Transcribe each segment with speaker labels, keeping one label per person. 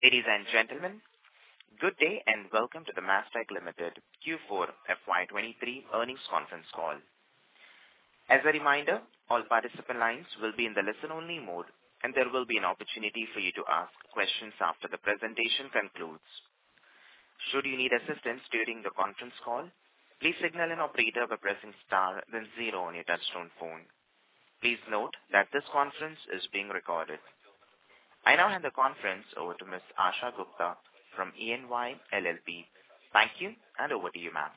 Speaker 1: Ladies and gentlemen, good day and welcome to the Mastek Limited Q4 FY 2023 earnings conference call. As a reminder, all participant lines will be in the listen-only mode, and there will be an opportunity for you to ask questions after the presentation concludes. Should you need assistance during the conference call, please signal an operator by pressing star then zero on your touchtone phone. Please note that this conference is being recorded. I now hand the conference over to Ms. Asha Gupta from EY LLP. Thank you, and over to you, ma'am.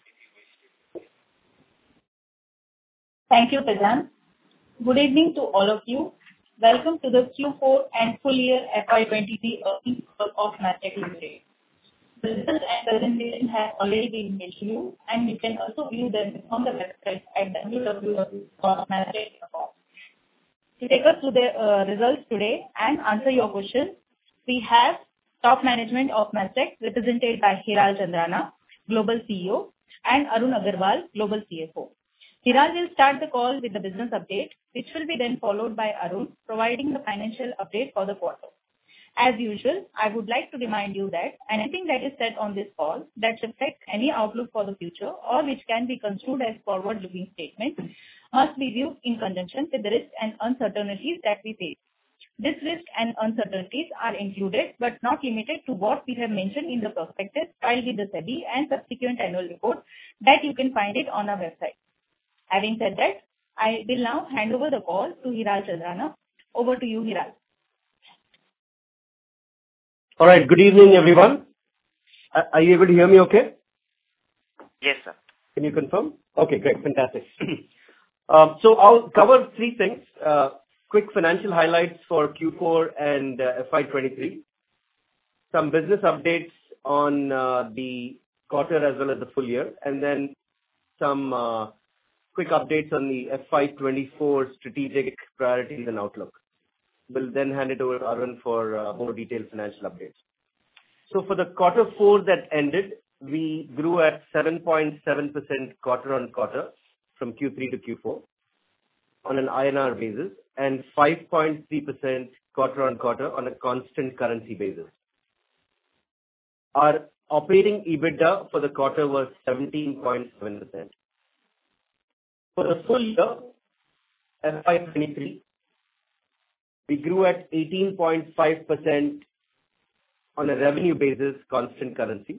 Speaker 2: Thank you, Prashant. Good evening to all of you. Welcome to the Q4 and full year FY 2023 earnings call of Mastek Limited. The results and presentation have already been issued, and you can also view them on the website at www.mastek.com. To take us through the results today and answer your questions, we have top management of Mastek represented by Hiral Chandrana, Global CEO, and Arun Agarwal, Global CFO. Hiral will start the call with the business update, which will be followed by Arun providing the financial update for the quarter. As usual, I would like to remind you that anything that is said on this call that reflects any outlook for the future or which can be construed as forward-looking statements must be viewed in conjunction with the risks and uncertainties that we face. These risks and uncertainties are included, but not limited to what we have mentioned in the prospectus filed with the SEBI and subsequent annual report that you can find it on our website. Having said that, I will now hand over the call to Hiral Chandrana. Over to you, Hiral.
Speaker 3: All right. Good evening, everyone. Are you able to hear me okay?
Speaker 1: Yes, sir.
Speaker 3: Can you confirm? Okay, great. Fantastic. I'll cover three things. quick financial highlights for Q4 and FY 2023. Some business updates on the quarter as well as the full year. Some quick updates on the FY 2024 strategic priorities and outlook. Will then hand it over to Arun for more detailed financial updates. For the quarter four that ended, we grew at 7.7% quarter-on-quarter from Q3 to Q4 on an INR basis and 5.3% quarter-on-quarter on a constant currency basis. Our operating EBITDA for the quarter was 17.7%. For the full year, FY 2023, we grew at 18.5% on a revenue basis, constant currency.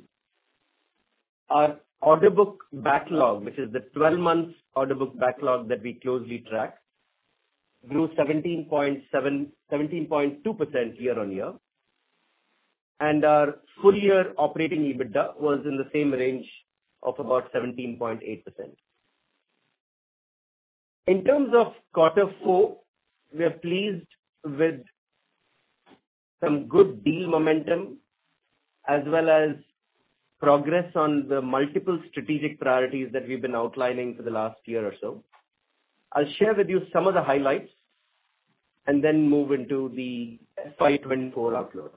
Speaker 3: Our order book backlog, which is the 12 months order book backlog that we closely track, grew 17.2% year-on-year. Our full year operating EBITDA was in the same range of about 17.8%. In terms of quarter four, we are pleased with some good deal momentum as well as progress on the multiple strategic priorities that we've been outlining for the last year or so. I'll share with you some of the highlights and then move into the FY 2024 outlook.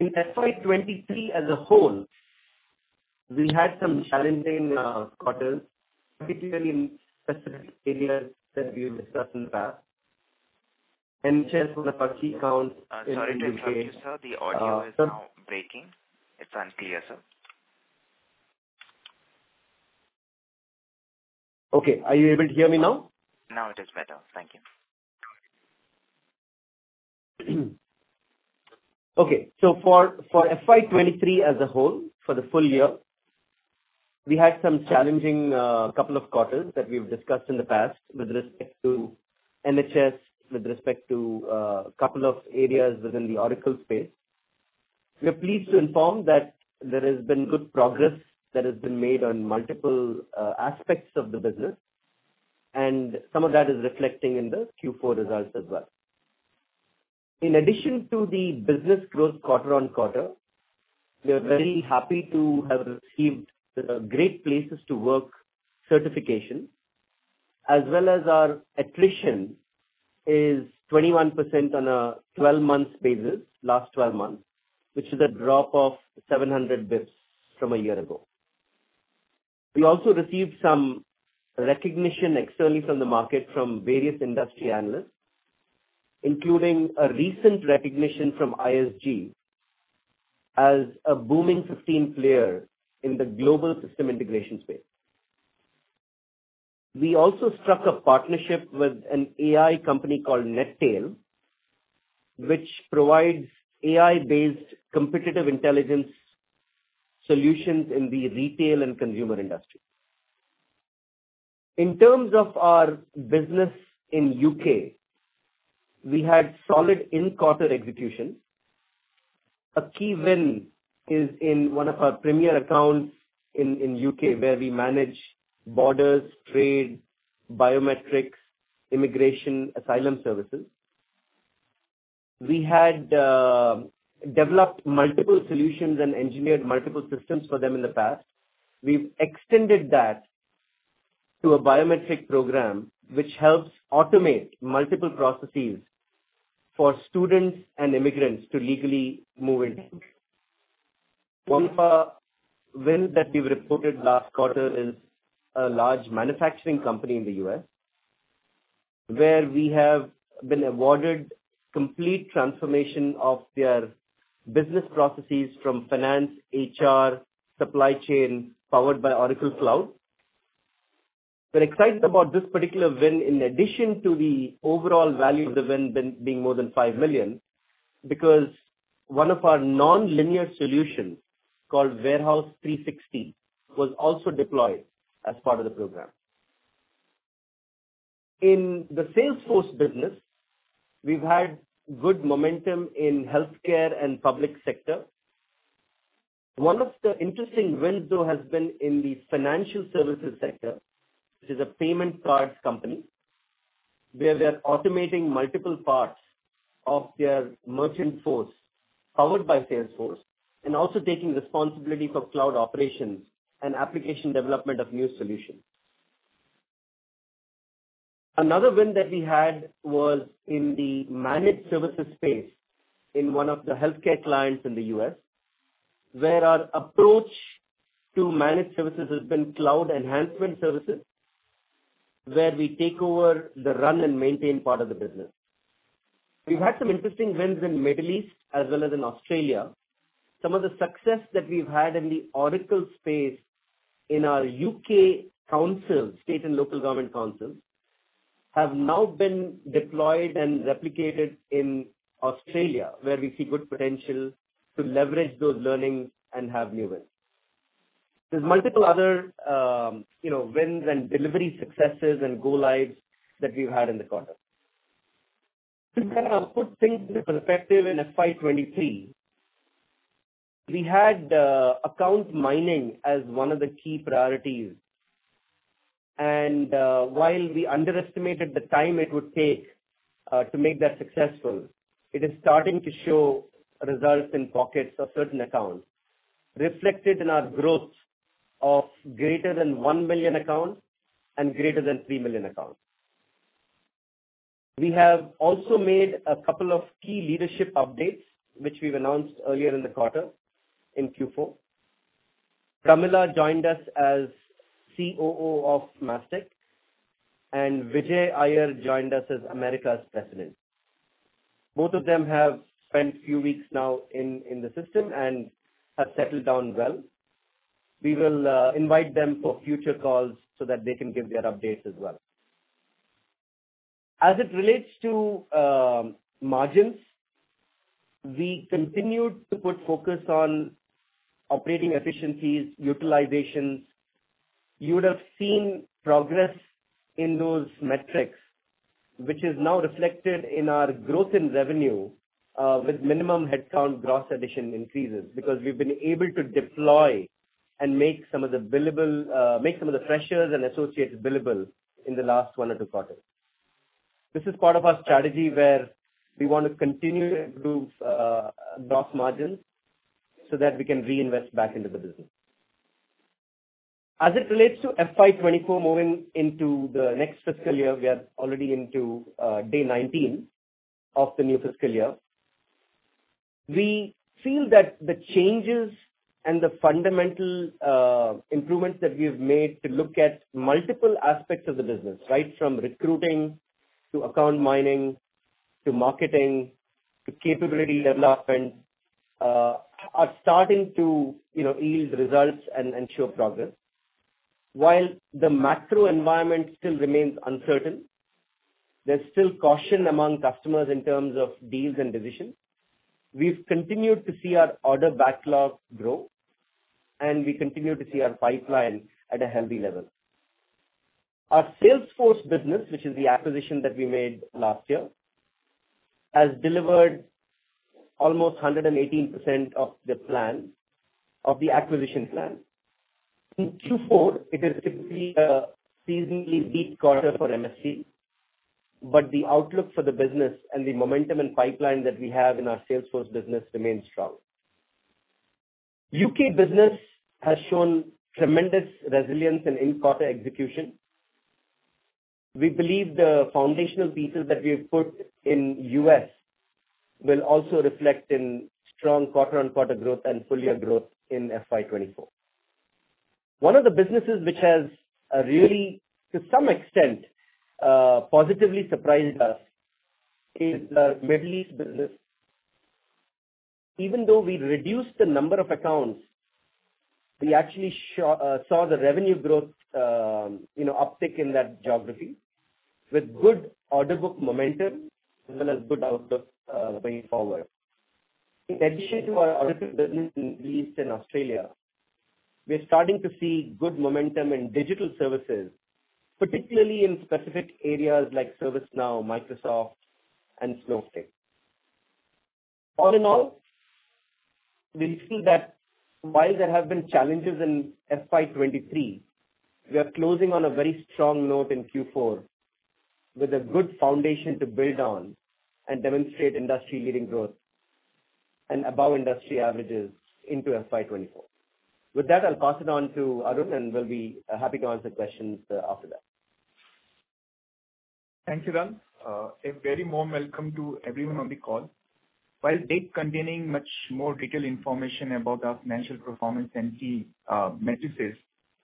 Speaker 3: In FY 2023 as a whole, we had some challenging quarters, particularly in specific areas that we've discussed in the past, NHS for the first key account.
Speaker 1: Sorry to interrupt you, sir. The audio is now breaking. It's unclear, sir.
Speaker 3: Okay. Are you able to hear me now?
Speaker 1: Now it is better. Thank you.
Speaker 3: Okay. for FY 2023 as a whole, for the full year, we had some challenging couple of quarters that we've discussed in the past with respect to NHS, with respect to a couple of areas within the Oracle space. We are pleased to inform that there has been good progress that has been made on multiple aspects of the business, and some of that is reflecting in the Q4 results as well. In addition to the business growth quarter-on-quarter, we are very happy to have received the Great Place To Work certification, as well as our attrition is 21% on a 12 months basis, last 12 months, which is a drop of 700 basis points from a year ago. We also received some recognition externally from the market from various industry analysts, including a recent recognition from ISG as a booming 15 player in the global system integration space. We also struck a partnership with an AI company called Netail, which provides AI-based competitive intelligence solutions in the retail and consumer industry. In terms of our business in U.K., we had solid in-quarter execution. A key win is in one of our premier accounts in U.K. where we manage borders, trade, biometrics, immigration, asylum services. We had developed multiple solutions and engineered multiple systems for them in the past. We've extended that to a biometric program which helps automate multiple processes for students and immigrants to legally move into the country. One win that we've reported last quarter is a large manufacturing company in the U.S. Where we have been awarded complete transformation of their business processes from finance, HR, supply chain, powered by Oracle Cloud. We're excited about this particular win in addition to the overall value of the win being more than $5 million, because one of our nonlinear solutions, called Warehouse 360, was also deployed as part of the program. In the Salesforce business, we've had good momentum in healthcare and public sector. One of the interesting wins, though, has been in the financial services sector, which is a payment card company, where we are automating multiple parts of their merchant force powered by Salesforce, and also taking responsibility for cloud operations and application development of new solutions. Another win that we had was in the managed services space in one of the healthcare clients in the U.S., where our approach to managed services has been cloud enhancement services, where we take over the run and maintain part of the business. We've had some interesting wins in Middle East as well as in Australia. Some of the success that we've had in the Oracle space in our U.K. council, state and local government councils, have now been deployed and replicated in Australia, where we see good potential to leverage those learnings and have new wins. There's multiple other, you know, wins and delivery successes and go-lives that we've had in the quarter. To kind of put things into perspective in FY 2023, we had account mining as one of the key priorities. While we underestimated the time it would take to make that successful, it is starting to show results in pockets of certain accounts, reflected in our growth of greater than 1 million accounts and greater than 3 million accounts. We have also made a couple of key leadership updates, which we've announced earlier in the quarter in Q4. Prameela joined us as COO of Mastek and Vijay Iyer joined us as Americas President. Both of them have spent a few weeks now in the system and have settled down well. We will invite them for future calls so that they can give their updates as well. As it relates to margins, we continued to put focus on operating efficiencies, utilizations. You would have seen progress in those metrics, which is now reflected in our growth in revenue, with minimum headcount gross addition increases, because we've been able to deploy and make some of the billable, make some of the freshers and associates billable in the last one or two quarters. This is part of our strategy where we want to continue to improve gross margins so that we can reinvest back into the business. As it relates to FY 2024 moving into the next fiscal year, we are already into day 19 of the new fiscal year. We feel that the changes and the fundamental improvements that we have made to look at multiple aspects of the business, right from recruiting to account mining to marketing to capability development, are starting to, you know, yield results and show progress. While the macro environment still remains uncertain, there's still caution among customers in terms of deals and decisions. We've continued to see our order backlog grow, and we continue to see our pipeline at a healthy level. Our Salesforce business, which is the acquisition that we made last year, has delivered almost 118% of the plan, of the acquisition plan. In Q4, it is typically a seasonally weak quarter for MST, but the outlook for the business and the momentum and pipeline that we have in our Salesforce business remains strong. U.K. business has shown tremendous resilience in-quarter execution. We believe the foundational pieces that we've put in U.S. will also reflect in strong quarter-on-quarter growth and full-year growth in FY 2024. One of the businesses which has really, to some extent, positively surprised us is our Middle East business. Even though we reduced the number of accounts, we actually saw the revenue growth, you know, uptick in that geography with good order book momentum as well as good outlook going forward. In addition to our Oracle business in Middle East and Australia, we're starting to see good momentum in digital services, particularly in specific areas like ServiceNow, Microsoft and Snowflake. All in all, we feel that while there have been challenges in FY 2023, we are closing on a very strong note in Q4 with a good foundation to build on and demonstrate industry-leading growth and above industry averages into FY 2024. With that, I'll pass it on to Arun, and we'll be happy to answer questions after that.
Speaker 4: Thank you, Hiral. A very warm welcome to everyone on the call. While date containing much more detailed information about our financial performance and key metrics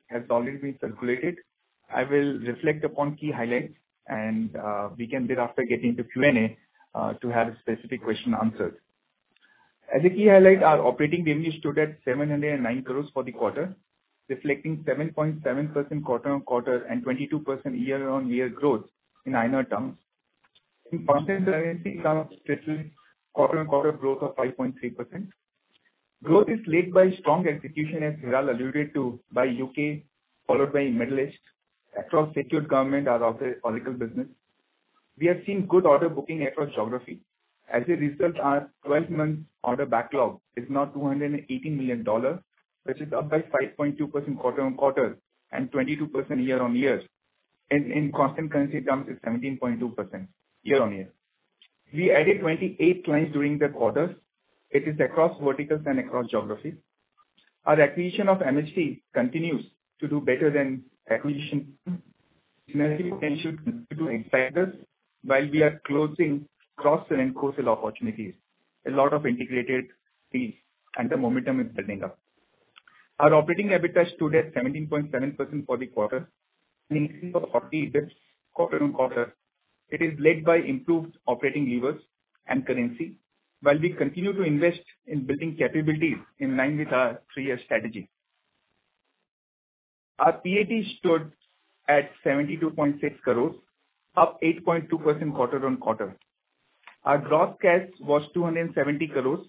Speaker 4: has already been circulated, I will reflect upon key highlights and we can thereafter get into Q&A to have specific question answered. As a key highlight, our operating revenue stood at 709 crore for the quarter, reflecting 7.7% quarter-on-quarter and 22% year-on-year growth in INR terms. In constant currency terms, quarter-on-quarter growth of 5.3%. Growth is led by strong execution, as Hiral alluded to, by U.K. followed by Middle East across secured government, our Oracle business. We have seen good order booking across geography. As a result, our 12-month order backlog is now $280 million, which is up by 5.2% quarter-on-quarter and 22% year-on-year. In constant currency terms it's 17.2% year-on-year. We added 28 clients during the quarter. It is across verticals and across geographies. Our acquisition of MST continues to do better than acquisition while we are closing cross-sell and cross-sell opportunities. A lot of integrated fees and the momentum is building up. Our operating EBITDA stood at 17.7% for the quarter, increasing by 40 basis quarter-on-quarter. It is led by improved operating levers and currency while we continue to invest in building capabilities in line with our three-year strategy. Our PAT stood at 72.6 crores, up 8.2% quarter-on-quarter. Our gross cash was 270 crores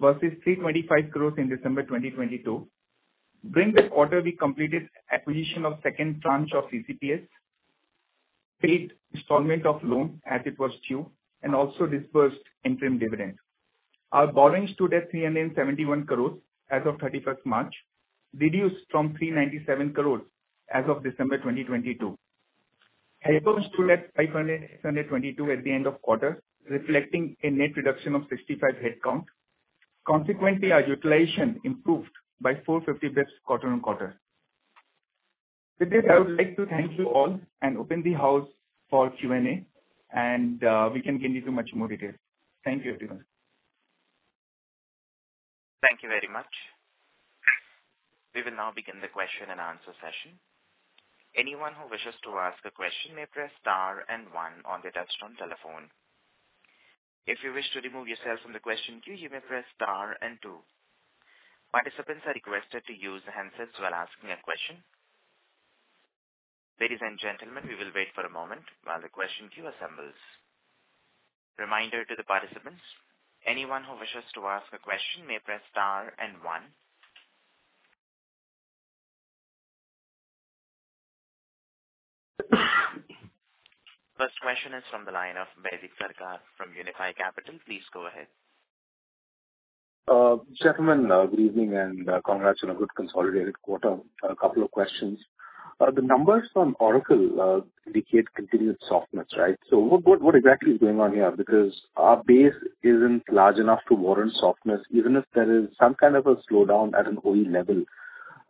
Speaker 4: versus 325 crores in December 2022. During the quarter, we completed acquisition of second tranche of ECPS, paid installment of loan as it was due, and also disbursed interim dividend. Our borrowings stood at 371 crores as of March 31st, reduced from 397 crores as of December 2022, [at] the end of quarter, reflecting a net reduction of 65 headcount. Consequently, our utilization improved by 450 basis points quarter-on-quarter. With this, I would like to thank you all and open the house for Q&A. We can give you much more details. Thank you, everyone.
Speaker 1: Thank you very much. We will now begin the question-and-answer session. Anyone who wishes to ask a question may press star and one on their touchtone telephone. If you wish to remove yourself from the question queue, you may press star and two. Participants are requested to use the handsets while asking a question. Ladies and gentlemen, we will wait for a moment while the question queue assembles. Reminder to the participants, anyone who wishes to ask a question may press star and one. First question is from the line of Baidik Sarkar from Unifi Capital. Please go ahead.
Speaker 5: Gentlemen, good evening, and congrats on a good consolidated quarter. A couple of questions. The numbers from Oracle indicate continued softness, right? What exactly is going on here? Our base isn't large enough to warrant softness, even if there is some kind of a slowdown at an OE level.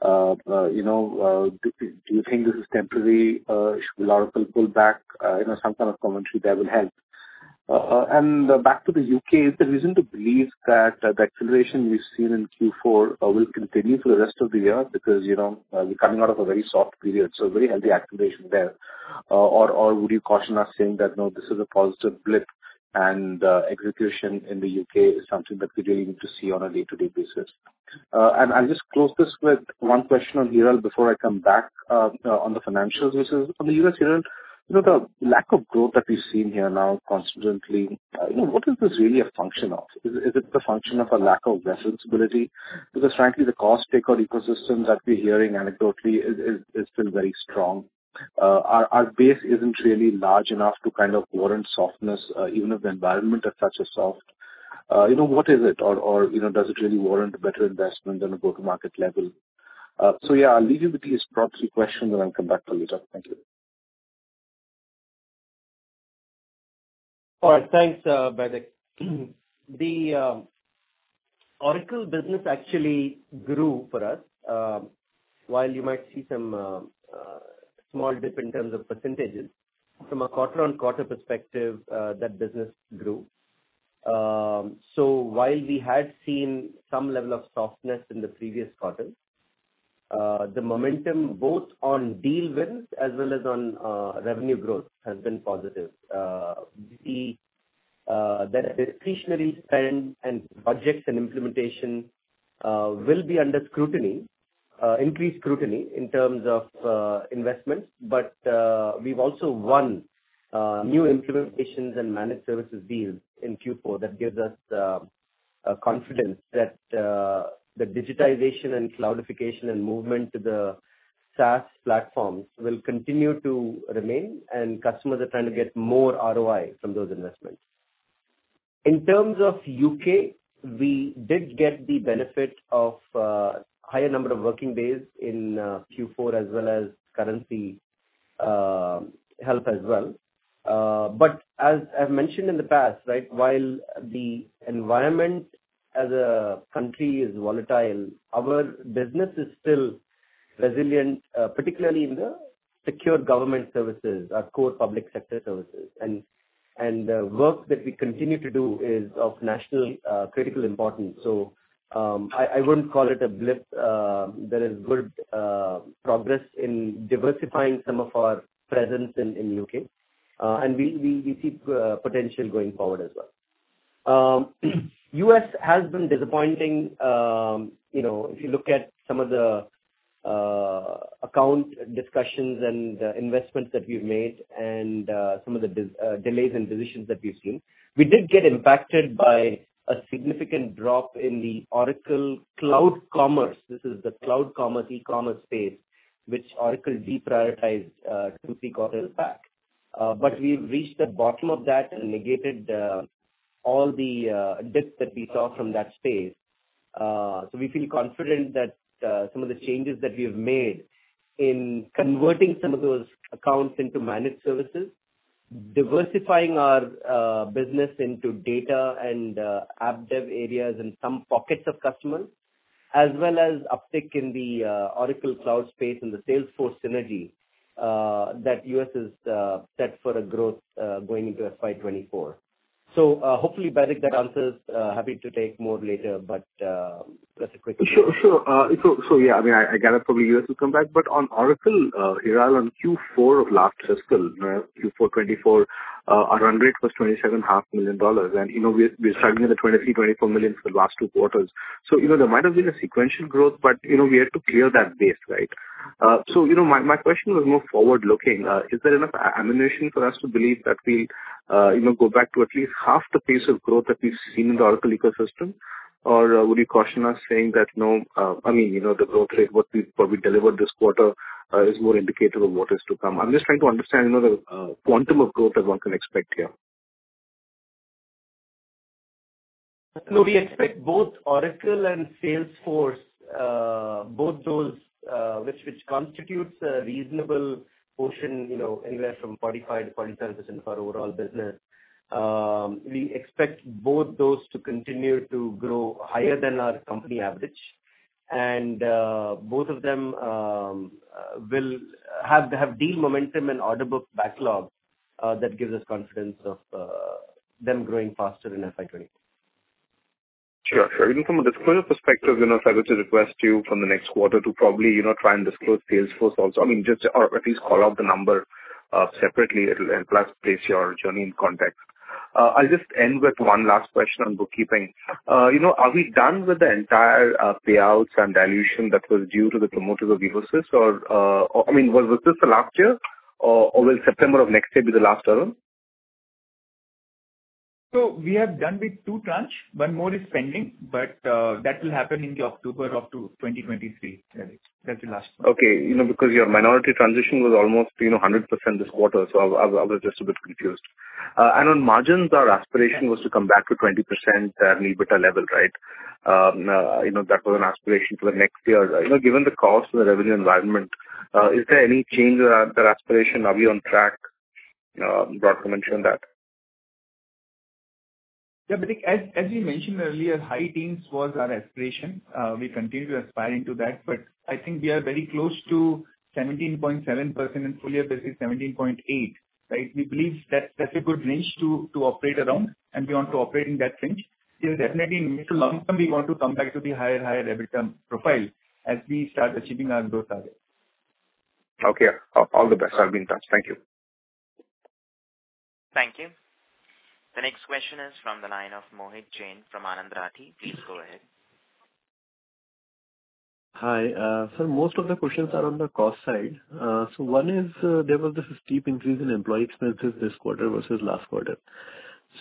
Speaker 5: You know, do you think this is temporary? Should Oracle pull back? You know, some kind of commentary there will help. Back to the U.K., is there reason to believe that the acceleration we've seen in Q4 will continue for the rest of the year? You know, we're coming out of a very soft period, so very healthy acceleration there. Would you caution us saying that, "No, this is a positive blip," and execution in the U.K. is something that we're going to see on a day-to-day basis. I'll just close this with one question on Hiral before I come back on the financials. This is on the U.S., Hiral. You know, the lack of growth that we've seen here now constantly, you know, what is this really a function of? Is it the function of a lack of visibility? Because frankly, the cost takeout ecosystem that we're hearing anecdotally is still very strong. Our base isn't really large enough to kind of warrant softness, even if the environment as such is soft. You know, what is it? You know, does it really warrant a better investment on a go-to-market level? Yeah, I'll leave you with these proxy questions, and I'll come back to you, Jeff. Thank you.
Speaker 3: All right. Thanks, Baidik. The Oracle business actually grew for us. While you might see some small dip in terms of percentages, from a quarter-on-quarter perspective, that business grew. While we had seen some level of softness in the previous quarter, the momentum both on deal wins as well as on revenue growth has been positive. The discretionary spend and budgets and implementation will be under scrutiny, increased scrutiny in terms of investments. We've also won new implementations and managed services deals in Q4. That gives us confidence that the digitization and cloudification and movement to the SaaS platforms will continue to remain, and customers are trying to get more ROI from those investments.
Speaker 4: In terms of U.K., we did get the benefit of higher number of working days in Q4 as well as currency help as well. As I've mentioned in the past, right, while the environment as a country is volatile, our business is still-resilient, particularly in the secure government services, our core public sector services. The work that we continue to do is of national critical importance. I wouldn't call it a blip. There is good progress in diversifying some of our presence in U.K. We see potential going forward as well. U.S. has been disappointing. You know, if you look at some of the account discussions and investments that we've made and some of the delays and deletions that we've seen. We did get impacted by a significant drop in the Oracle Cloud commerce. This is the cloud commerce, e-commerce space which Oracle deprioritized to seek Other pack. But we've reached the bottom of that and negated all the dip that we saw from that space. We feel confident that some of the changes that we have made in converting some of those accounts into managed services, diversifying our business into data and app dev areas and some pockets of customers. As well as uptick in the Oracle Cloud space and the Salesforce synergy that U.S. is set for a growth going into FY 2024. Hopefully, Baidik, that answers. Happy to take more later, but that's a quick overview.
Speaker 5: Sure. Sure. Yeah, I mean, I gather probably U.S. will come back. On Oracle, Hiral, on Q4 of last fiscal, Q4 2024, our run rate was $27 and a half million. You know, we're starting at the $23 million-$24 million for the last two quarters. You know, there might have been a sequential growth, but, you know, we had to clear that base, right? You know, my question was more forward-looking. Is there enough ammunition for us to believe that we'll, you know, go back to at least half the pace of growth that we've seen in the Oracle ecosystem? Would you caution us saying that, I mean, you know, the growth rate, what we delivered this quarter, is more indicative of what is to come. I'm just trying to understand, you know, the quantum of growth that one can expect here.
Speaker 3: We expect both Oracle and Salesforce, both those, which constitutes a reasonable portion, you know, anywhere from 45, 47% of our overall business. We expect both those to continue to grow higher than our company average. Both of them, will have deep momentum and order book backlog, that gives us confidence of, them growing faster in FY 2024.
Speaker 5: Sure. Sure. Even from a disclosure perspective, you know, if I were to request you from the next quarter to probably, you know, try and disclose Salesforce also. I mean, just, or at least call out the number separately it'll. Plus place your journey in context. I'll just end with one last question on bookkeeping. You know, are we done with the entire payouts and dilution that was due to the promoters of the Evosys? I mean, was this the last year or will September of next year be the last term?
Speaker 4: We are done with 2 tranche. One more is pending, but, that will happen in the October of 2023. That's the last one.
Speaker 5: Okay. You know, because your minority transition was almost, you know, 100% this quarter, I was just a bit confused. On margins, our aspiration was to come back to 20% EBITDA level, right? You know, that was an aspiration for the next year. You know, given the cost and the revenue environment, is there any change to our aspiration? Are we on track? Broadly mention that.
Speaker 4: Yeah. As we mentioned earlier, high teens was our aspiration. We continue to aspiring to that. I think we are very close to 17.7%, and full year this is 17.8%, right? We believe that that's a good range to operate around, and we want to operate in that range. Till definitely mid to long term, we want to come back to the higher EBITDA profile as we start achieving our growth target.
Speaker 5: Okay. All the best. I'll be in touch. Thank you.
Speaker 1: Thank you. The next question is from the line of Mohit Jain from Anand Rathi. Please go ahead.
Speaker 6: Hi. Most of the questions are on the cost side. One is, there was this steep increase in employee expenses this quarter versus last quarter.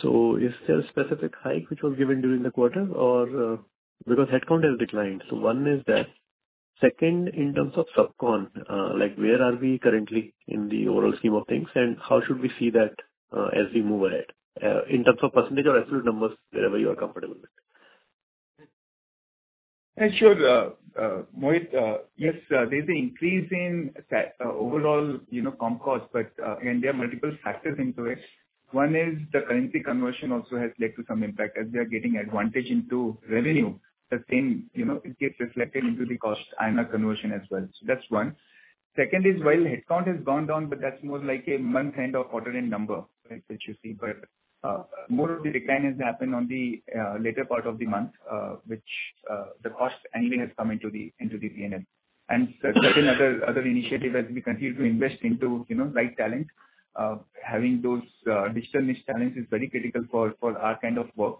Speaker 6: Is there a specific hike which was given during the quarter, because headcount has declined? One is that. Second, in terms of subcon, like, where are we currently in the overall scheme of things, and how should we see that, as we move ahead, in terms of percentage or absolute numbers, wherever you are comfortable with?
Speaker 4: Sure. Mohit, yes, there's an increase in that overall, you know, comp cost, but there are multiple factors into it. One is the currency conversion also has led to some impact as we are getting advantage into revenue. The same, you know, it gets reflected into the cost and a conversion as well. That's one. Second is, while headcount has gone down, but that's more like a month end of quarter end number, right? Which you see. More of the decline has happened on the later part of the month, which the cost anyway has come into the P&L. Second other initiative as we continue to invest into, you know, right talent. Having those digital niche talent is very critical for our kind of work.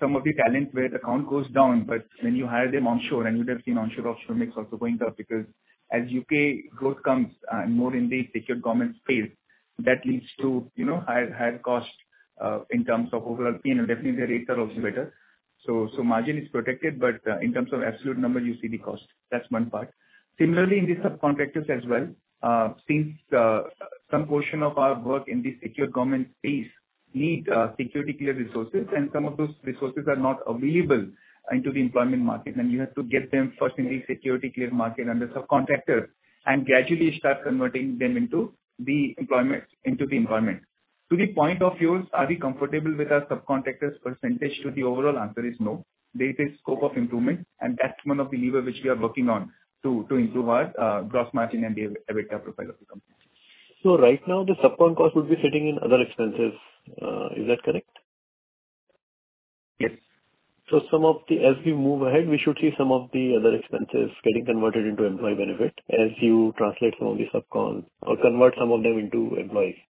Speaker 4: Some of the talent where the account goes down. When you hire them onshore, you would have seen onshore, offshore mix also going up because as U.K. growth comes more in the secure government space, that leads to, you know, higher cost in terms of overall P&L. Definitely, the rates are also better. Margin is protected, but in terms of absolute number, you see the cost. That's one part. Similarly, in the subcontractors as well, since some portion of our work in the secure government space need security cleared resources, some of those resources are not available into the employment market. You have to get them first in a security cleared market under subcontractor and gradually start converting them into the employment. To the point of yours, are we comfortable with our subcontractors percentage to the overall? Answer is no. There is a scope of improvement, that's one of the lever which we are working on to improve our gross margin and the EBITDA profile of the company.
Speaker 6: Right now the subcon cost would be fitting in other expenses, is that correct?
Speaker 3: Yes.
Speaker 6: As we move ahead, we should see some of the other expenses getting converted into employee benefit as you translate some of the subcon or convert some of them into employee.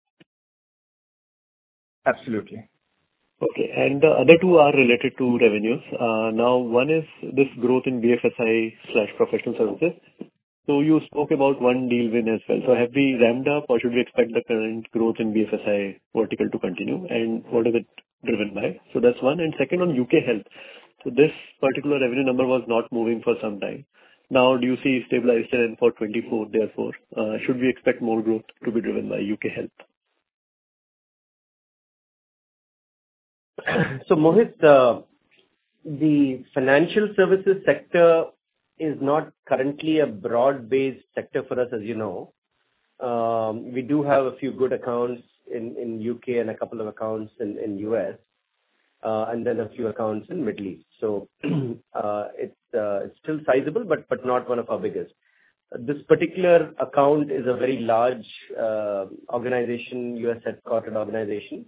Speaker 3: Absolutely.
Speaker 6: Okay. The other two are related to revenues. One is this growth in BFSI/professional services. You spoke about one deal win as well. Have we ramped up or should we expect the current growth in BFSI vertical to continue, and what is it driven by? That's one. Second, on U.K. Health. This particular revenue number was not moving for some time. Do you see stabilized trend for 2024 therefore? Should we expect more growth to be driven by U.K. Health?
Speaker 3: Mohit, the financial services sector is not currently a broad-based sector for us, as you know. We do have a few good accounts in U.K. and a couple of accounts in U.S., and then a few accounts in Middle East. It's still sizable but not one of our biggest. This particular account is a very large organization, U.S.-headquartered organization,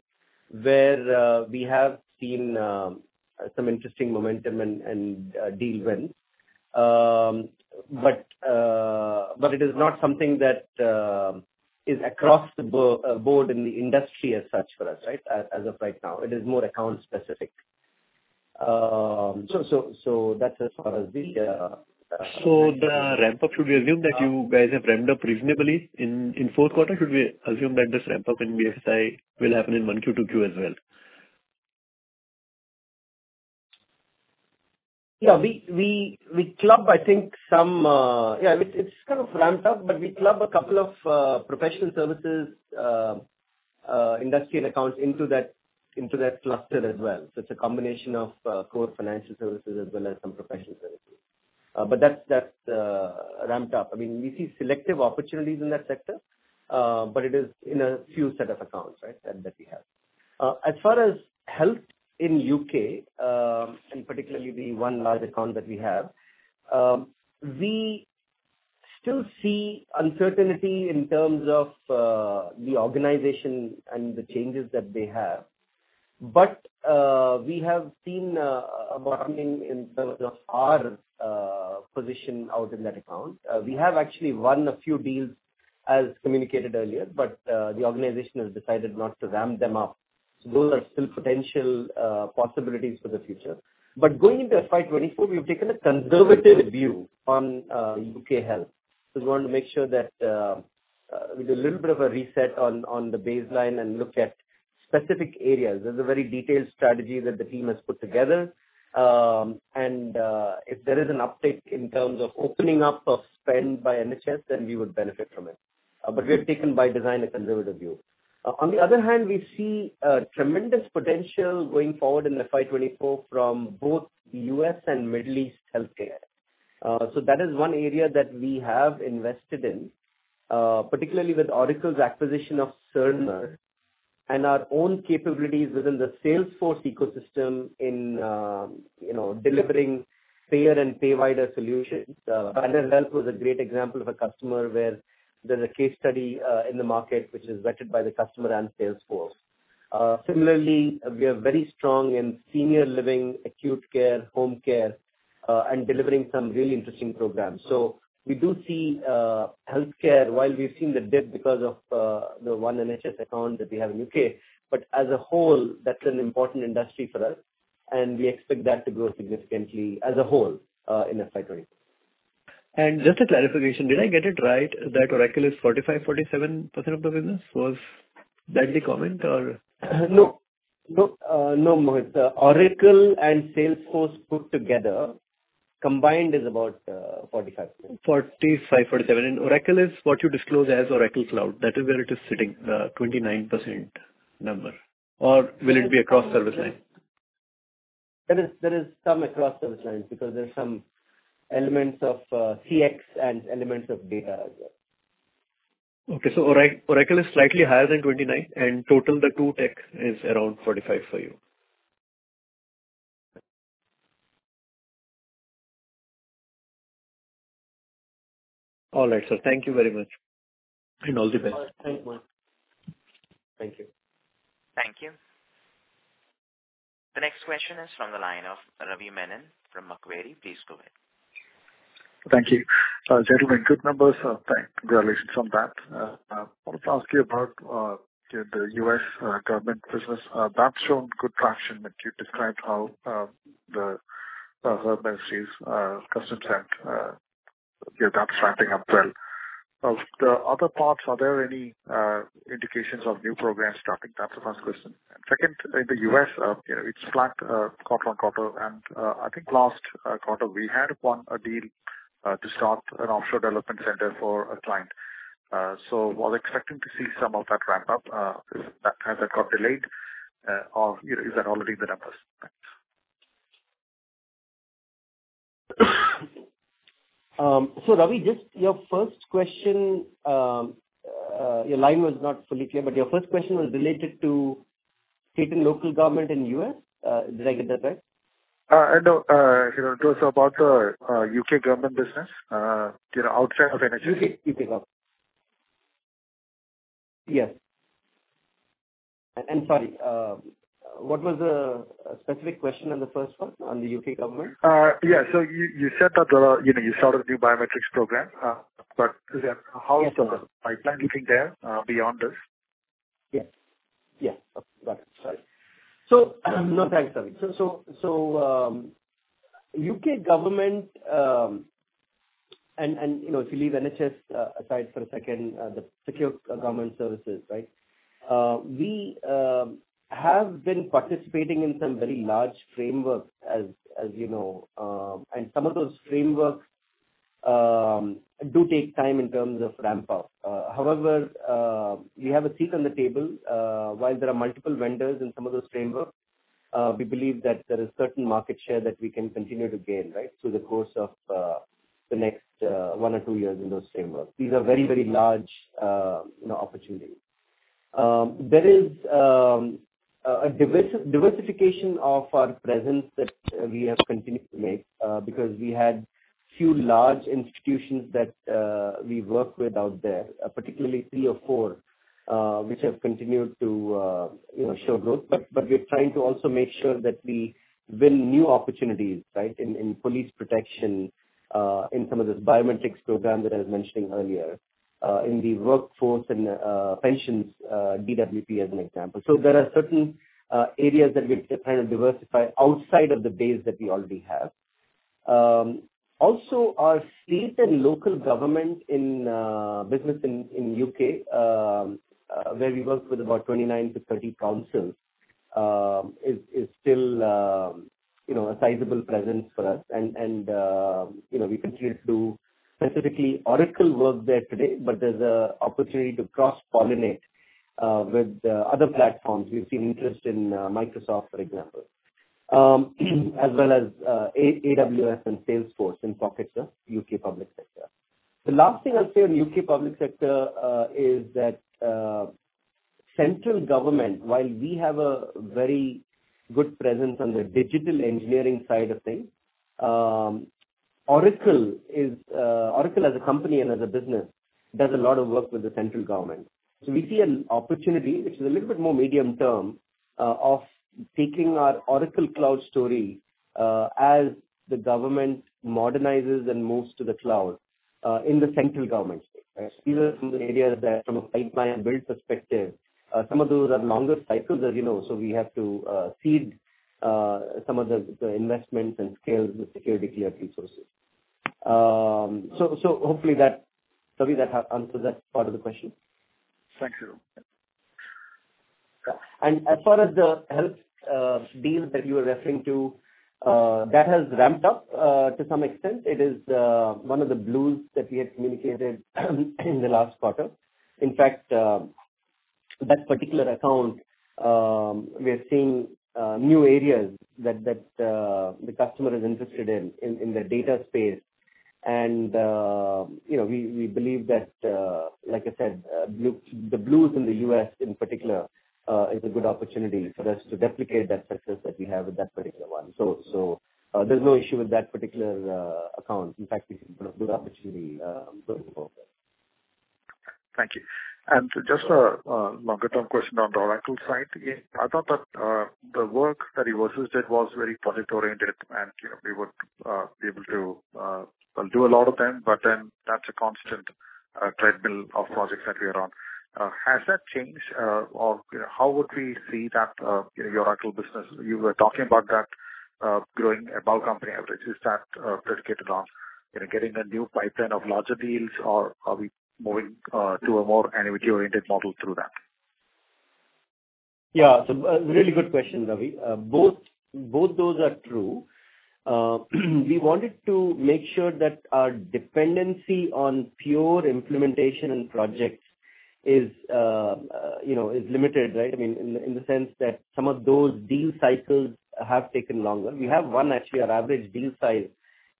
Speaker 3: where we have seen some interesting momentum and deal wins. But it is not something that is across the board in the industry as such for us, right? As of right now. It is more account specific.
Speaker 6: The ramp up, should we assume that you guys have ramped up reasonably in fourth quarter? Should we assume that this ramp up in BFSI will happen in 1Q, 2Q as well?
Speaker 3: Yeah. We club I think some. I mean, it's kind of ramped up, we club a couple of professional services industrial accounts into that cluster as well. It's a combination of core financial services as well as some professional services. That's ramped up. I mean, we see selective opportunities in that sector, it is in a few set of accounts, right? That we have. As far as health in U.K., particularly the one large account that we have, we still see uncertainty in terms of the organization and the changes that they have. We have seen a bottoming in terms of our position out in that account. We have actually won a few deals, as communicated earlier, the organization has decided not to ramp them up. Those are still potential possibilities for the future. Going into FY 2024, we've taken a conservative view on U.K. Health. We want to make sure that with a little bit of a reset on the baseline and look at specific areas. There's a very detailed strategy that the team has put together. If there is an uptick in terms of opening up of spend by NHS, then we would benefit from it. We have taken by design a conservative view. On the other hand, we see a tremendous potential going forward in FY 2024 from both U.S. and Middle East healthcare. That is one area that we have invested in, particularly with Oracle's acquisition of Cerner and our own capabilities within the Salesforce ecosystem in delivering payer and payor solutions. Banner Health was a great example of a customer where there's a case study in the market which is vetted by the customer and Salesforce. Similarly, we are very strong in senior living, acute care, home care, and delivering some really interesting programs. We do see healthcare while we've seen the dip because of the one NHS account that we have in U.K. As a whole, that's an important industry for us, and we expect that to grow significantly as a whole in FY 2024.
Speaker 6: Just a clarification, did I get it right that Oracle is 45%, 47% of the business? Was that the comment?
Speaker 3: No, Mohit. Oracle and Salesforce put together combined is about 47%.
Speaker 6: Oracle is what you disclose as Oracle Cloud. That is where it is sitting, the 29% number. Will it be across service line?
Speaker 3: There is some across service lines because there's some elements of CX and elements of data as well.
Speaker 6: Okay. Oracle is slightly higher than 29%, and total the two tech is around 45% for you. All right, sir. Thank you very much, and all the best.
Speaker 3: All right. Thank you.
Speaker 6: Thank you.
Speaker 1: Thank you. The next question is from the line of Ravi Menon from Macquarie. Please go ahead.
Speaker 7: Thank you. Gentlemen, good numbers. Congratulations on that. Wanted to ask you about the U.S. government business. That's shown good traction, that you described how the embassies, custom set, yeah, that's ramping up well. Of the other parts, are there any indications of new programs starting? That's the first question. Second, in the U.S., you know, it's flat quarter-on-quarter and I think last quarter we had won a deal to start an offshore development center for a client. I was expecting to see some of that ramp up. Has that got delayed, or, you know, is that already in the numbers?
Speaker 3: Ravi, just your first question, your line was not fully clear, but your first question was related to state and local government in U.S., did I get that right?
Speaker 7: No. You know, it was about the U.K. government business, you know, outside of energy.
Speaker 3: Yes. Sorry, what was the specific question on the first one, on the U.K. government?
Speaker 7: Yeah. You said that, you know, you started a new biometrics program. How is the pipeline looking there, beyond this?
Speaker 3: Yes. Yeah. Got it. Sorry. No, thanks, Ravi. U.K. government, and, you know, if you leave NHS aside for a second, the secure government services, right? We have been participating in some very large frameworks, as you know. Some of those frameworks do take time in terms of ramp up. However, we have a seat on the table. While there are multiple vendors in some of those frameworks, we believe that there is certain market share that we can continue to gain, right, through the course of the next one or two years in those frameworks. These are very, very large, you know, opportunities. There is a diversification of our presence that we have continued to make because we had few large institutions that we work with out there, particularly three or four, which have continued to, you know, show growth. We're trying to also make sure that we win new opportunities, right, in police protection, in some of this biometrics program that I was mentioning earlier, in the workforce and pensions, DWP as an example. There are certain areas that we're trying to diversify outside of the base that we already have. Also our state and local government business in U.K., where we work with about 29-30 councils, is still, you know, a sizable presence for us. You know, we continue to do specifically Oracle work there today, but there's an opportunity to cross-pollinate with other platforms. We've seen interest in Microsoft, for example, as well as AWS and Salesforce in pockets of U.K. public sector. The last thing I'll say on U.K. public sector is that central government, while we have a very good presence on the digital engineering side of things, Oracle as a company and as a business does a lot of work with the central government. We see an opportunity, which is a little bit more medium-term, of taking our Oracle Cloud story as the government modernizes and moves to the cloud in the central government space. These are some of the areas that from a pipeline build perspective, some of those are longer cycles, as you know, so we have to seed some of the investments and scale the security cleared resources. Hopefully that, Ravi, that answers that part of the question.
Speaker 7: Thank you.
Speaker 3: As far as the health deal that you were referring to, that has ramped up to some extent. It is one of the blues that we had communicated in the last quarter. In fact, that particular account, we are seeing new areas that the customer is interested in the data space. You know, we believe that, like I said, the blues in the U.S. in particular, is a good opportunity for us to replicate that success that we have with that particular one. There's no issue with that particular account. In fact, we see a good opportunity going forward.
Speaker 7: Thank you. Just a longer-term question on the Oracle side. Again, I thought that the work that you also did was very project-oriented, you know, we were able to, well, do a lot of them, that's a constant treadmill of projects that we are on. Has that changed? You know, how would we see that, you know, your Oracle business? You were talking about that growing above company averages. Is that predicated on, you know, getting a new pipeline of larger deals? Are we moving to a more annuity-oriented model through that?
Speaker 3: Yeah. A really good question, Ravi. Both those are true. We wanted to make sure that our dependency on pure implementation and projects is, you know, is limited, right? I mean, in the sense that some of those deal cycles have taken longer. We have won actually our average deal size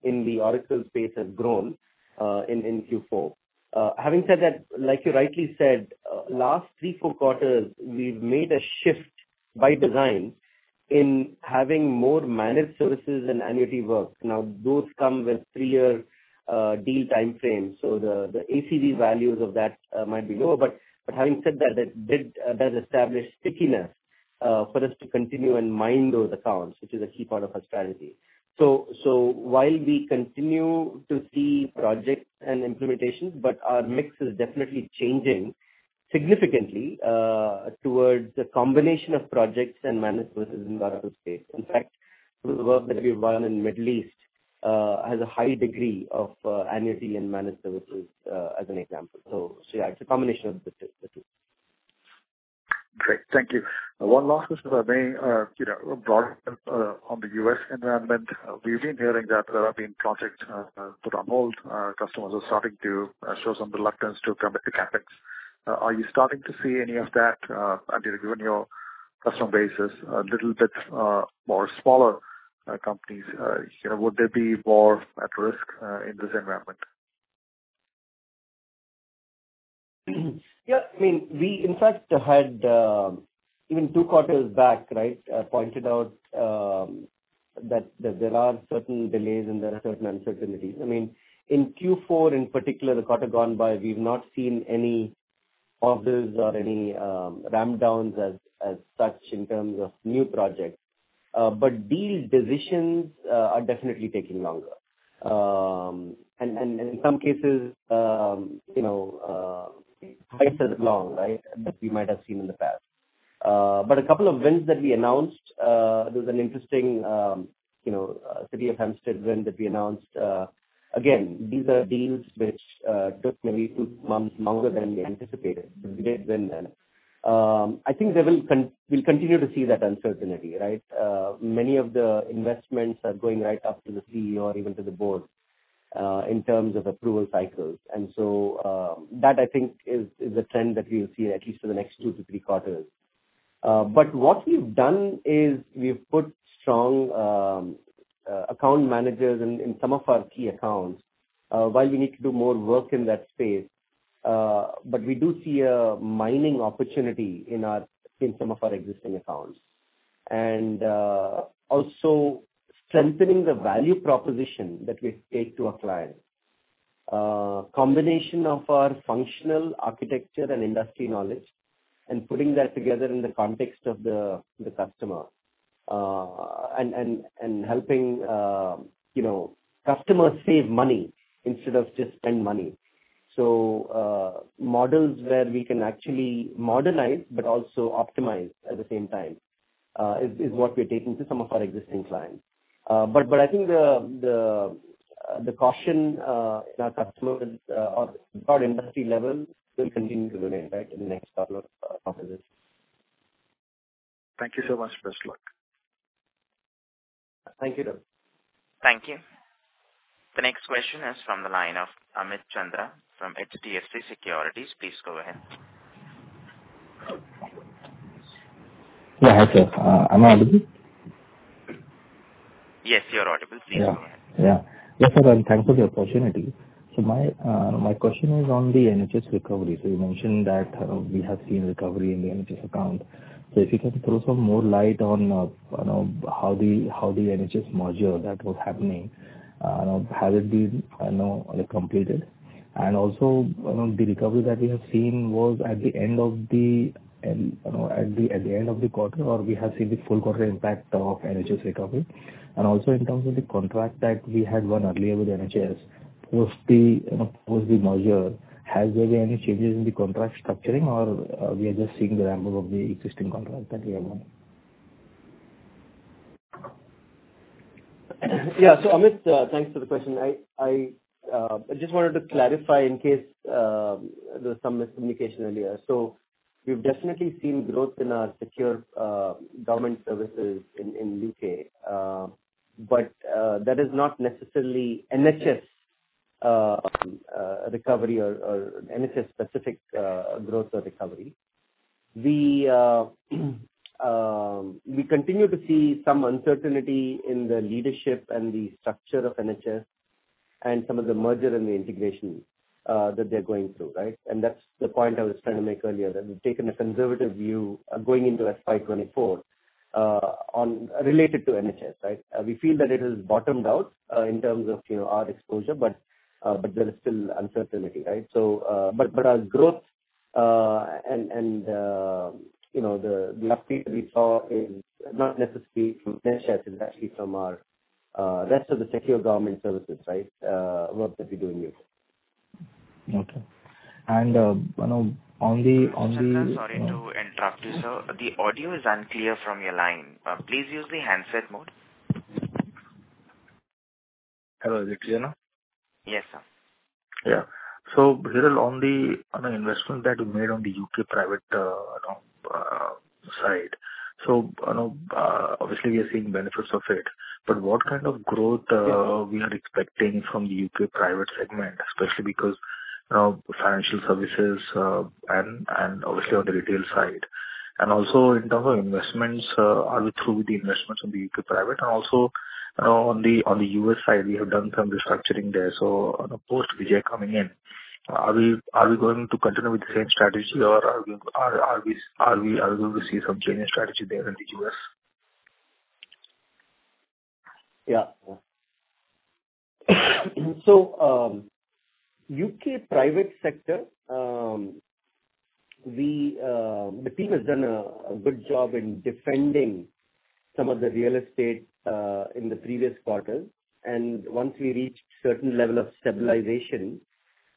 Speaker 3: in the Oracle space has grown in Q4. Having said that, like you rightly said, last three, four quarters, we've made a shift by design in having more managed services and annuity work. Now, those come with three-year deal time frames, so the ACD values of that might be lower. Having said that does establish stickiness for us to continue and mine those accounts, which is a key part of our strategy. While we continue to see projects and implementations, but our mix is definitely changing significantly towards a combination of projects and managed services in Oracle space. In fact, some of the work that we've won in Middle East has a high degree of annuity and managed services as an example. Yeah, it's a combination of the two.
Speaker 7: Great. Thank you. One last question, Ravi. You know, broadly, on the U.S. environment, we've been hearing that there have been projects put on hold. Customers are starting to show some reluctance to commit to CapEx. Are you starting to see any of that? I think customer base is a little bit more smaller companies. You know, would they be more at risk in this environment?
Speaker 3: Yeah. I mean, we in fact had, even two quarters back, right, pointed out, that there are certain delays and there are certain uncertainties. I mean, in Q4 in particular, the quarter gone by, we've not seen any orders or any ramp downs as such in terms of new projects. Deal decisions are definitely taking longer. And in some cases, you know, twice as long, right, than we might have seen in the past. A couple of wins that we announced, there's an interesting, you know, City of Hampstead win that we announced. Again, these are deals which took maybe two months longer than we anticipated. We did win then. I think they will continue to see that uncertainty, right? Many of the investments are going right up to the CEO or even to the board, in terms of approval cycles. That I think is a trend that we'll see at least for the next two to three quarters. But what we've done is we've put strong account managers in some of our key accounts, while we need to do more work in that space. But we do see a mining opportunity in some of our existing accounts. Also strengthening the value proposition that we take to a client. Combination of our functional architecture and industry knowledge, and putting that together in the context of the customer. And helping, you know, customers save money instead of just spend money. Models where we can actually modernize but also optimize at the same time is what we're taking to some of our existing clients. But I think the caution in our customers or industry level will continue to remain, right, in the next couple of quarters.
Speaker 7: Thank you so much. Best luck.
Speaker 3: Thank you.
Speaker 1: Thank you. The next question is from the line of Amit Chandra from HDFC Securities. Please go ahead.
Speaker 8: Yeah. Hi, sir. Am I audible?
Speaker 1: Yes, you're audible. Please go ahead.
Speaker 8: Yes, sir, and thanks for the opportunity. My question is on the NHS recovery. You mentioned that we have seen recovery in the NHS account. If you can throw some more light on, you know, how the NHS merger that was happening, has it been, you know, completed? Also, the recovery that we have seen was at the end of the, you know, at the end of the quarter or we have seen the full quarter impact of NHS recovery. Also in terms of the contract that we had won earlier with NHS, post the, you know, post the merger, has there been any changes in the contract structuring or we are just seeing the ramp up of the existing contract that we have won?
Speaker 3: Yeah. Amit, thanks for the question. I just wanted to clarify in case there was some miscommunication earlier. We've definitely seen growth in our secure government services in U.K.. That is not necessarily NHS recovery or NHS specific growth or recovery. We continue to see some uncertainty in the leadership and the structure of NHS and some of the merger and the integration that they're going through, right? That's the point I was trying to make earlier, that we've taken a conservative view going into FY 2024 related to NHS, right? We feel that it has bottomed out in terms of, you know, our exposure, there is still uncertainty, right? Our growth, and, you know, the uptick we saw is not necessarily from NHS, it's actually from our, rest of the secure government services, right? Work that we do in U.K.
Speaker 8: Okay.
Speaker 1: Mr. Chandra, sorry to interrupt you, sir. The audio is unclear from your line. Please use the handset mode.
Speaker 8: Hello, is it clear now?
Speaker 1: Yes, sir.
Speaker 8: Hiral, on the, on the investment that you made on the U.K. private, you know, side. You know, obviously we are seeing benefits of it, but what kind of growth, we are expecting from the U.K. private segment, especially because, you know, financial services, and obviously on the retail side. In terms of investments, are we through with the investments on the U.K. private? You know, on the, on the U.S. side, we have done some restructuring there. You know, post Vijay coming in, are we going to continue with the same strategy or are we going to see some change in strategy there in the U.S.?
Speaker 3: U.K. private sector, we, the team has done a good job in defending some of the real estate in the previous quarter. Once we reached certain level of stabilization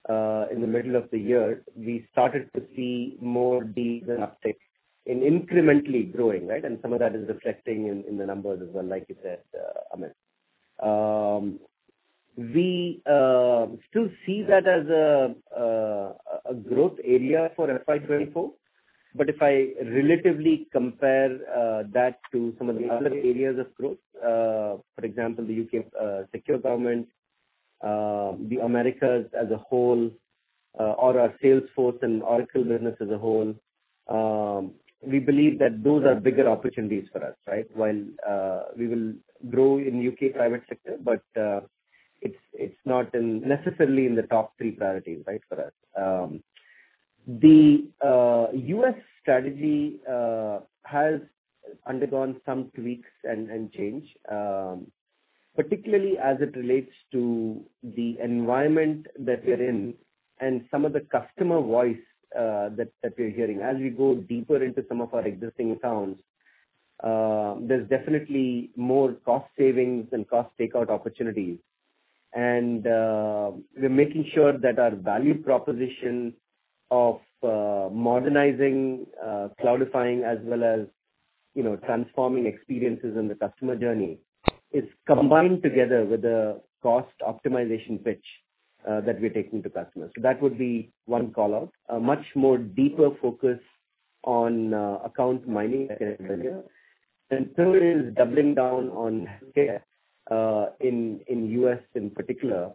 Speaker 3: in the middle of the year, we started to see more deals and upticks in incrementally growing, right? Some of that is reflecting in the numbers as well, like you said, Amit. We still see that as a growth area for FY 2024, but if I relatively compare that to some of the other areas of growth, for example, the U.K. secure government, the Americas as a whole, or our Salesforce and Oracle business as a whole, we believe that those are bigger opportunities for us, right? While we will grow in U.K. private sector, but it's not necessarily in the top three priorities, right, for us. The U.S. strategy has undergone some tweaks and change, particularly as it relates to the environment that we're in and some of the customer voice that we're hearing. As we go deeper into some of our existing accounts, there's definitely more cost savings and cost takeout opportunities. We're making sure that our value proposition of modernizing, cloudifying as well as, you know, transforming experiences in the customer journey is combined together with the cost optimization pitch that we're taking to customers. That would be one call-out. A much more deeper focus on account mining earlier. Third is doubling down on U.S. in particular,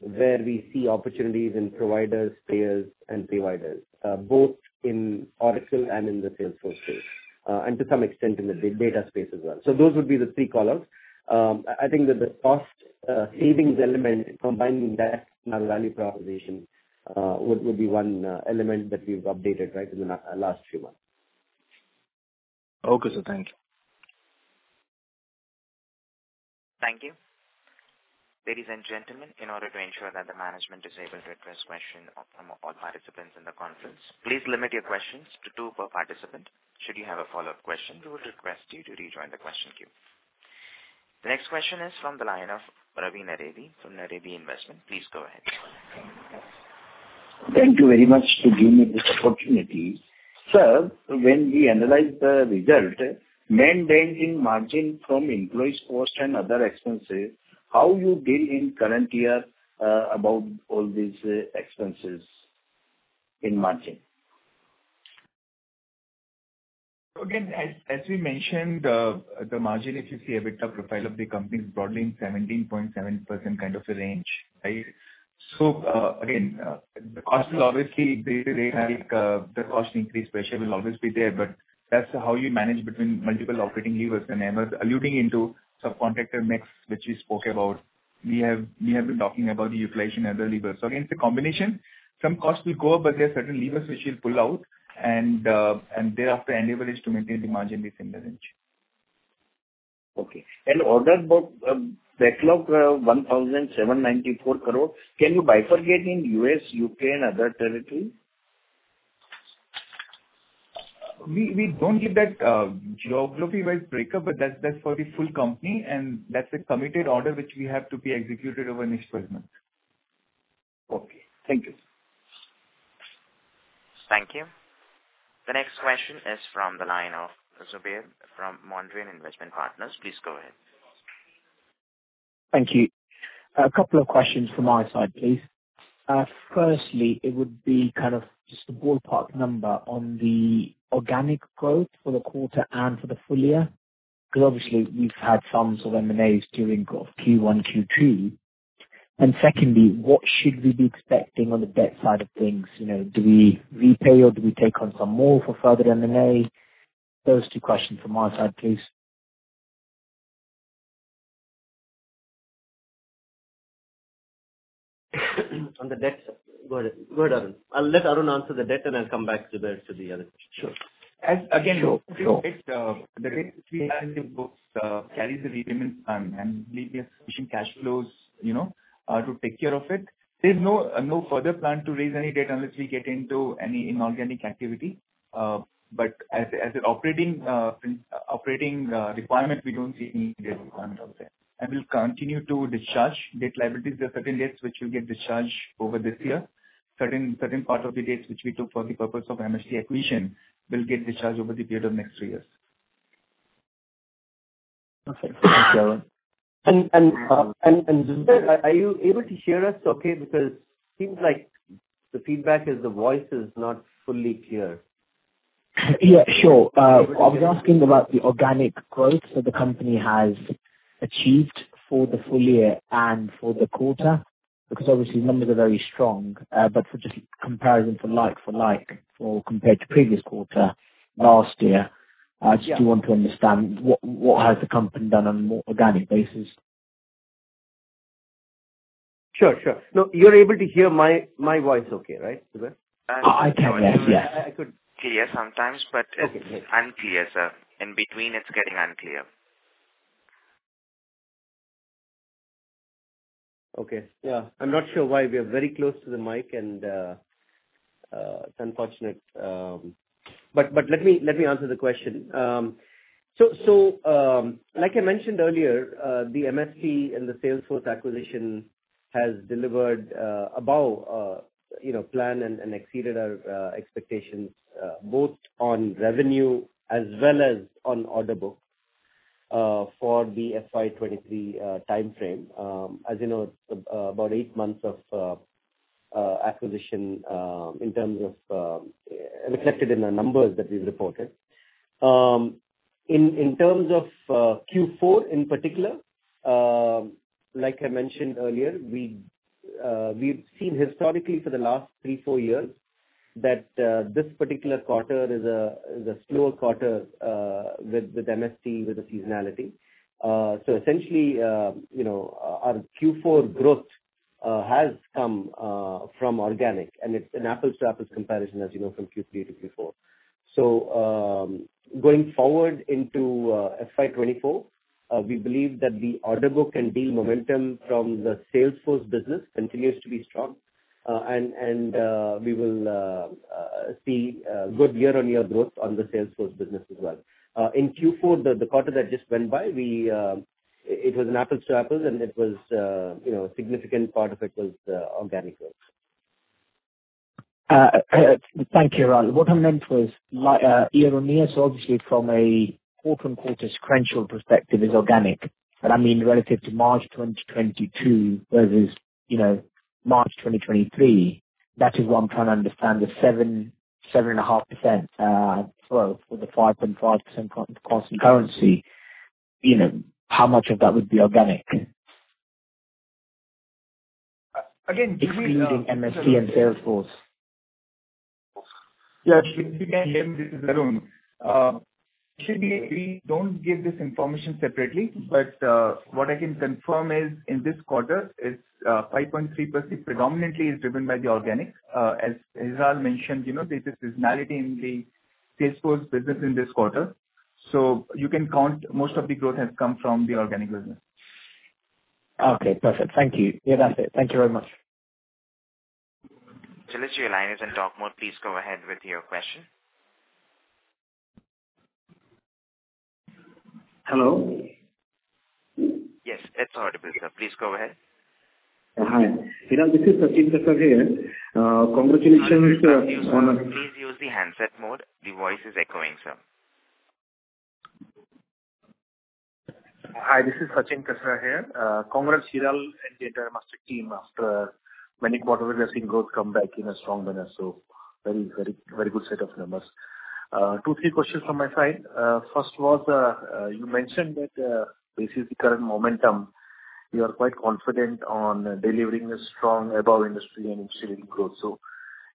Speaker 3: where we see opportunities in providers, payers, and providers, both in Oracle and in the Salesforce space, and to some extent in the data space as well. Those would be the three call outs. I think that the cost savings element, combining that in our value proposition, would be one element that we've updated, right, in the last few months.
Speaker 8: Okay, sir. Thank you.
Speaker 1: Thank you. Ladies and gentlemen, in order to ensure that the management is able to address question of, from all participants in the conference, please limit your questions to two per participant. Should you have a follow-up question, we would request you to rejoin the question queue. The next question is from the line of Ravi Naredi from Naredi Investment. Please go ahead.
Speaker 9: Thank you very much to give me this opportunity. Sir, when we analyze the result, main change in margin from employees cost and other expenses, how you deal in current year about all these expenses in margin?
Speaker 3: As we mentioned, the margin, if you see EBITDA profile of the company is broadly in 17.7% kind of a range. Right? Again, the cost is obviously day-to-day like, the cost increase pressure will always be there, but that's how you manage between multiple operating levers. I was alluding into subcontractor mix, which we spoke about. We have been talking about the utilization of the levers. Again, it's a combination. Some costs will go up, but there are certain levers which we'll pull out and thereafter endeavor is to maintain the margin within the range.
Speaker 9: Okay. order book, backlog, INR 1,794 crore, can you bifurcate in U.S., U.K., and other territory?
Speaker 3: We don't give that geography wide breakup. That's for the full company. That's a committed order which we have to be executed over next 12 months.
Speaker 9: Okay. Thank you.
Speaker 1: Thank you. The next question is from the line of Zubeyr from Mondrian Investment Partners. Please go ahead.
Speaker 10: Thank you. A couple of questions from our side, please. Firstly, it would be kind of just a ballpark number on the organic growth for the quarter and for the full year, because obviously we've had some sort of M&As during Q1, Q3. Secondly, what should we be expecting on the debt side of things? You know, do we repay or do we take on some more for further M&A? Those two questions from our side, please.
Speaker 3: On the debt side. Go ahead, Arun. I'll let Arun answer the debt, and I'll come back to the other question.
Speaker 4: Sure. The debt which we have in the books, carries a repayment plan, and we have sufficient cash flows, you know, to take care of it. There's no further plan to raise any debt unless we get into any inorganic activity. As an operating, requirement, we don't see any debt requirement out there. We'll continue to discharge debt liabilities. There are certain debts which will get discharged over this year. Certain part of the debts which we took for the purpose of MST acquisition will get discharged over the period of next three years.
Speaker 10: Perfect. Thank you, Arun.
Speaker 3: Zubeyr, are you able to hear us okay? Seems like the feedback is the voice is not fully clear.
Speaker 10: Yeah, sure. I was asking about the organic growth that the company has achieved for the full year and for the quarter, because obviously numbers are very strong. For just comparison for like for like, for compared to previous quarter last year, just you want to understand what has the company done on more organic basis?
Speaker 3: Sure, sure. No, you're able to hear my voice okay, right, Zubeyr?
Speaker 10: I can, yes.
Speaker 1: Clear sometimes, but it's unclear, sir. In between, it's getting unclear.
Speaker 3: Okay. Yeah. I'm not sure why. We are very close to the mic and it's unfortunate. Let me answer the question. Like I mentioned earlier, the MST and the Salesforce acquisition has delivered above, you know, plan and exceeded our expectations, both on revenue as well as on order book, for the FY 2023 timeframe. As you know, about eight months of acquisition, in terms of reflected in the numbers that we reported. In terms of Q4 in particular, like I mentioned earlier, we've seen historically for the last three, four years that this particular quarter is a slower quarter with MST, with the seasonality. Essentially, you know, our Q4 growth has come from organic and it's an apples to apples comparison as you know from Q3 to Q4. Going forward into FY 2024, we believe that the order book and deal momentum from the Salesforce business continues to be strong. We will see good year-on-year growth on the Salesforce business as well. In Q4, the quarter that just went by, it was an apples to apples, and it was, you know, a significant part of it was organic growth.
Speaker 10: Thank you, Hiral. What I meant was like, year-over-year, so obviously from a quarter-over-quarter sequential perspective is organic. I mean, relative to March 2022 versus, you know, March 2023, that is what I'm trying to understand, the 7.5% growth with the 5.5% constant currency. You know, how much of that would be organic? Excluding MST and Salesforce.
Speaker 4: Hi, this is Arun. Typically, we don't give this information separately, but, what I can confirm is in this quarter is, 5.3% predominantly is driven by the organic. As Hiral mentioned, you know, there's this seasonality in the Salesforce business in this quarter. You can count most of the growth has come from the organic business.
Speaker 10: Okay. Perfect. Thank you. Yeah, that's it. Thank you very much.
Speaker 1: Kasera, your line is in talk mode. Please go ahead with your question.
Speaker 11: Hello.
Speaker 1: Yes. It's audible, sir. Please go ahead.
Speaker 11: Hi. Hiral, this is Sachin Kasera here. Congratulations.
Speaker 1: Please use the handset mode. The voice is echoing, sir.
Speaker 11: Hi, this is Sachin Kasera here. Congrats, Hiral, and the entire Mastek team. After many quarters, we are seeing growth come back in a strong manner, so very good set of numbers. Two, three questions from my side. First was, you mentioned that, this is the current momentum. You are quite confident on delivering a strong above-industry and initial growth.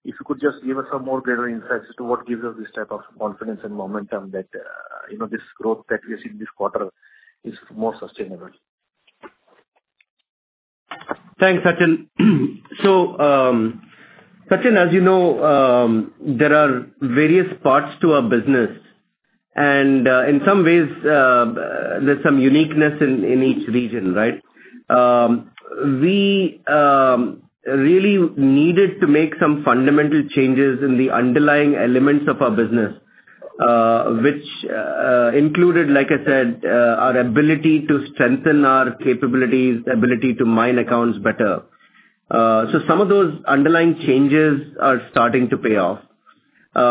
Speaker 11: If you could just give us some more greater insights as to what gives us this type of confidence and momentum that, you know, this growth that we're seeing this quarter is more sustainable?
Speaker 3: Thanks, Sachin. Sachin, as you know, there are various parts to our business, and in some ways, there's some uniqueness in each region, right? We really needed to make some fundamental changes in the underlying elements of our business, which included, like I said, our ability to strengthen our capabilities, ability to mine accounts better. Some of those underlying changes are starting to pay off. There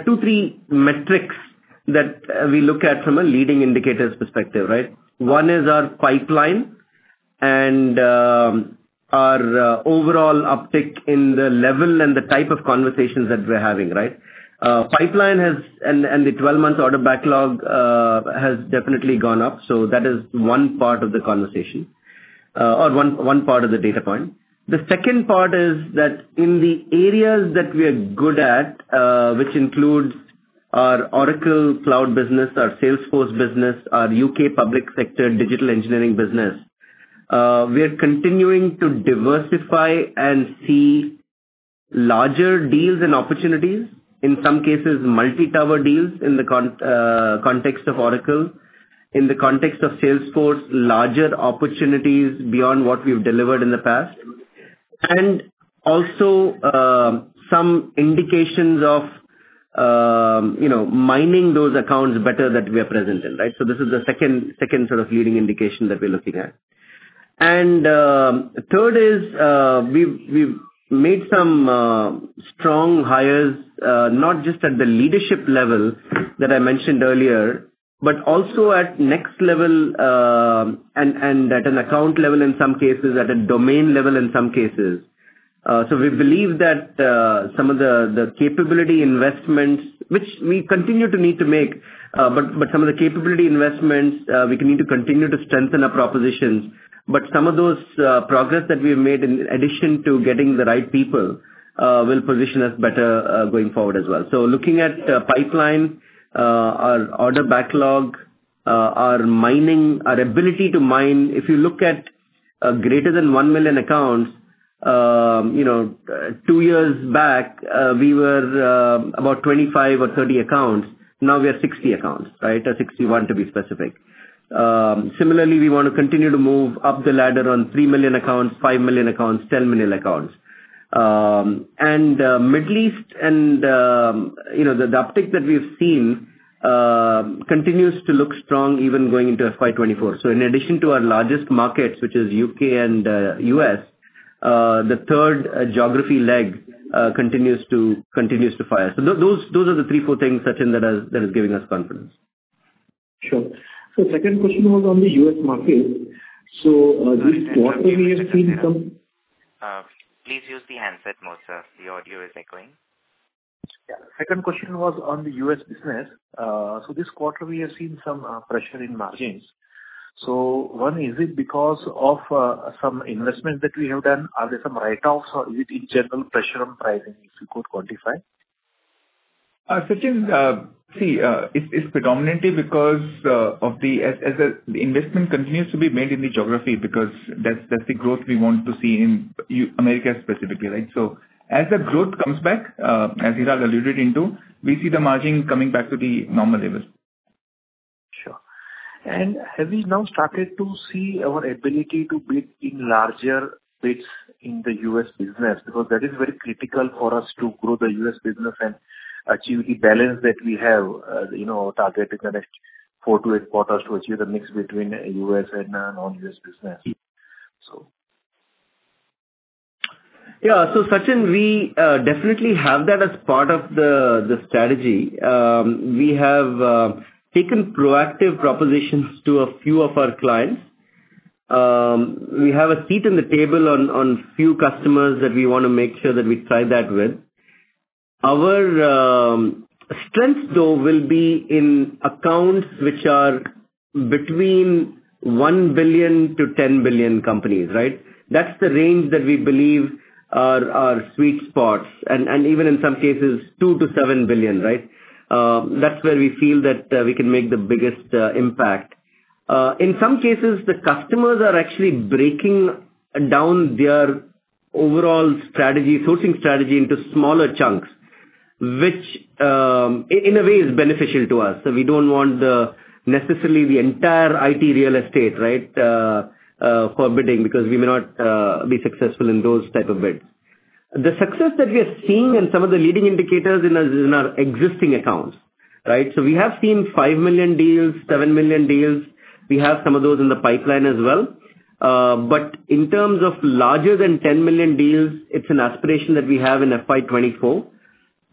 Speaker 3: are two, three metrics that we look at from a leading indicators perspective, right? One is our pipeline and our overall uptick in the level and the type of conversations that we're having, right? The 12-month order backlog has definitely gone up, that is one part of the data point. The second part is that in the areas that we are good at, which includes our Oracle Cloud business, our Salesforce business, our U.K. public sector digital engineering business, we are continuing to diversify and see larger deals and opportunities, in some cases multi-tower deals in the context of Oracle. In the context of Salesforce, larger opportunities beyond what we've delivered in the past. Also, some indications of, you know, mining those accounts better that we are present in, right? This is the second sort of leading indication that we're looking at. Third is, we've made some strong hires, not just at the leadership level that I mentioned earlier, but also at next level, and at an account level in some cases, at a domain level in some cases. We believe that some of the capability investments, which we continue to need to make, but some of the capability investments, we continue to strengthen our propositions. Some of those progress that we've made in addition to getting the right people, will position us better going forward as well. Looking at the pipeline, our order backlog, our mining, our ability to mine, if you look at greater than 1 million accounts, you know, two years back, we were about 25 or 30 accounts. Now we are 60 accounts, right? 61 to be specific. Similarly, we want to continue to move up the ladder on 3 million accounts, 5 million accounts, 10 million accounts. Middle East and the uptick that we've seen continues to look strong even going into FY 2024. In addition to our largest markets, which is U.K. and US, the third geography leg continues to fire. Those are the three, four things, Sachin, that is giving us confidence.
Speaker 11: Sure. second question was on the U.S. market.
Speaker 1: Please use the handset mode, sir. Your audio is echoing.
Speaker 11: Yeah. Second question was on the U.S. business. This quarter we have seen some pressure in margins. One, is it because of some investment that we have done? Are there some write-offs or is it a general pressure on pricing, if you could quantify?
Speaker 4: Sachin, see, it's predominantly because As the investment continues to be made in the geography because that's the growth we want to see in America specifically, right? As the growth comes back, as Hiral alluded into, we see the margin coming back to the normal levels.
Speaker 11: Sure. And have we now started to see our ability to bid in larger bids in the U.S. business? Because that is very critical for us to grow the U.S. business and achieve the balance that we have, you know, targeted in the next four to eight quarters to achieve a mix between U.S. and non-U.S. business.
Speaker 3: Yeah. Sachin, we definitely have that as part of the strategy. We have taken proactive propositions to a few of our clients. We have a seat in the table on few customers that we want to make sure that we try that with. Our strength though will be in accounts which are between 1 billion-10 billion companies, right? That's the range that we believe are sweet spots and even in some cases 2 billion-7 billion, right? That's where we feel that we can make the biggest impact. In some cases, the customers are actually breaking down their overall strategy, sourcing strategy into smaller chunks, which in a way is beneficial to us. We don't want the necessarily the entire IT real estate, right, for bidding because we may not be successful in those type of bids. The success that we are seeing in some of the leading indicators is in our existing accounts, right? We have seen $5 million deals, $7 million deals. We have some of those in the pipeline as well. In terms of larger than $10 million deals, it's an aspiration that we have in FY 2024.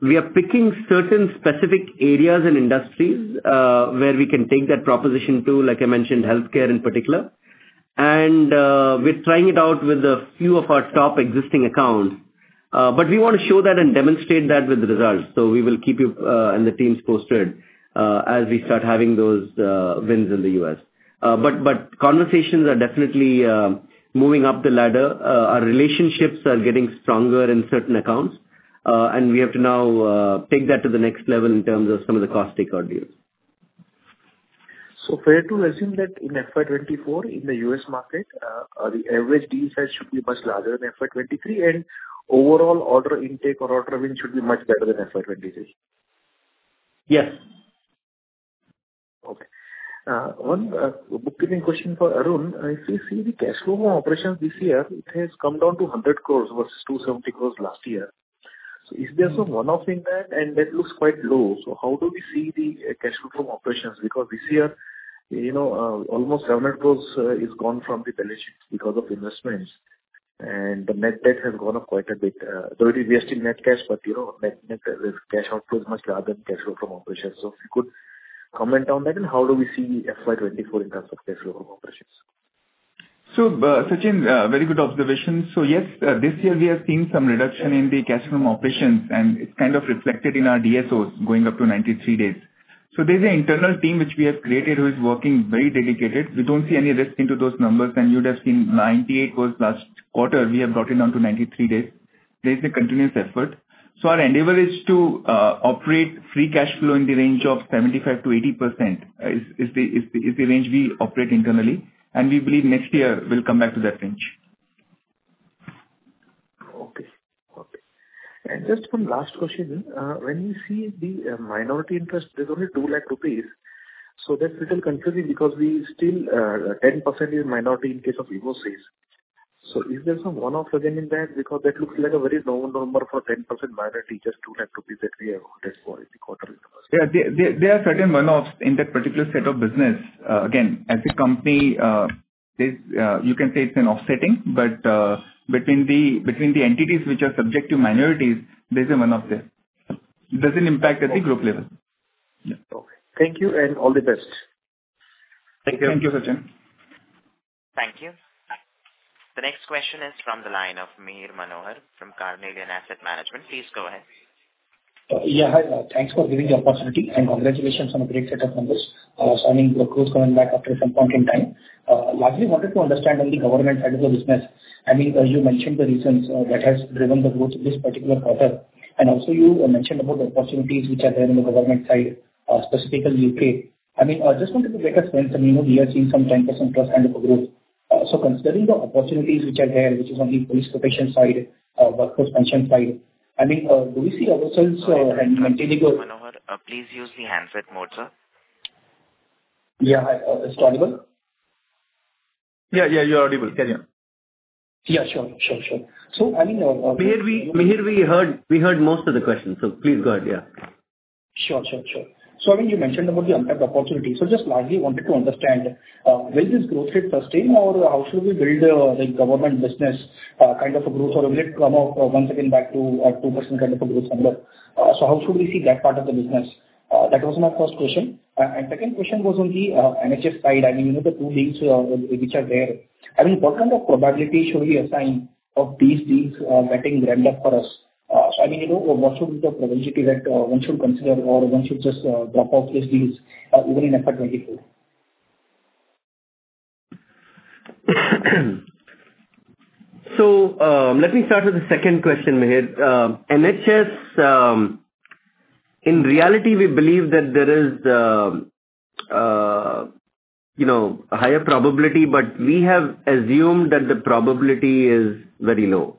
Speaker 3: We are picking certain specific areas and industries, where we can take that proposition to, like I mentioned, healthcare in particular. We're trying it out with a few of our top existing accounts. We want to show that and demonstrate that with the results. We will keep you and the teams posted as we start having those wins in the U.S. Conversations are definitely moving up the ladder. Our relationships are getting stronger in certain accounts. We have to now take that to the next level in terms of some of the cost take on deals.
Speaker 11: Fair to assume that in FY 2024 in the U.S. market, the average deal size should be much larger than FY 2023 and overall order intake or order win should be much better than FY 2023?
Speaker 3: Yes.
Speaker 11: Okay. One bookkeeping question for Arun. If you see the cash flow from operations this year, it has come down to 100 crores versus 270 crores last year. Is there some one-off in that? That looks quite low. How do we see the cash flow from operations? Because this year, you know, almost 700 crores is gone from the balance sheet because of investments and the net debt has gone up quite a bit. It is still net cash but, you know, net, this cash outflow is much larger than cash flow from operations. If you could comment on that and how do we see FY 2024 in terms of cash flow from operations?
Speaker 4: Sachin, very good observation. Yes, this year we have seen some reduction in the cash from operations, and it's kind of reflected in our DSOs going up to 93 days. There's an internal team which we have created who is working very dedicated. We don't see any risk into those numbers. You would have seen 98 days last quarter. We have gotten down to 93 days. There's a continuous effort. Our endeavor is to operate free cash flow in the range of 75%-80%, is the range we operate internally. We believe next year we'll come back to that range.
Speaker 11: Okay. Okay. Just one last question. When we see the minority interest, there's only 2 lakh rupees. That's little confusing because we still 10% is minority in case of EvoSys. Is there some one-off again in that? That looks like a very low number for 10% minority, just INR 2 lakh that we have got this quarter.
Speaker 4: There are certain one-offs in that particular set of business. Again, as a company, this, you can say it's an offsetting, but, between the entities which are subject to minorities, there's a one-off there. It doesn't impact at the group level.
Speaker 11: Okay. Thank you and all the best.
Speaker 3: Thank you.
Speaker 11: Thank you, Sachin.
Speaker 1: Thank you. The next question is from the line of Mihir Manohar from Carnelian Asset Management. Please go ahead.
Speaker 12: Yeah, hi. Thanks for giving the opportunity and congratulations on a great set of numbers. I mean, the growth coming back after some point in time. Largely wanted to understand on the government side of the business. I mean, you mentioned the reasons that has driven the growth in this particular quarter, and also you mentioned about the opportunities which are there in the government side, specifically U.K.. I mean, I just wanted to get a sense. I mean, we are seeing some 10%+ kind of a growth. Considering the opportunities which are there, which is on the police profession side, workforce pension side, I mean, do we see ourselves maintaining the-
Speaker 1: Sorry. Mihir Manohar, please use the handset mode, sir.
Speaker 12: Yeah. Hi. It's audible?
Speaker 3: Yeah, you're audible. Carry on.
Speaker 12: Yeah, sure. Sure.
Speaker 3: Mihir, we heard most of the question, so please go ahead. Yeah.
Speaker 12: Sure, sure. I mean, you mentioned about the untapped opportunity. Just largely wanted to understand, will this growth rate sustain or how should we build the government business kind of a growth or will it come off once again back to a 2% kind of a growth number? How should we see that part of the business? That was my first question. Second question was on the NHS side. I mean, you know, the two deals which are there. I mean, what kind of probability should we assign of these deals getting ramped up for us? I mean, you know, what should be the probability that one should consider or one should just drop off these deals even in FY 2024?
Speaker 3: Let me start with the second question, Mihir Manohar. NHS, in reality we believe that there is, you know, higher probability, but we have assumed that the probability is very low.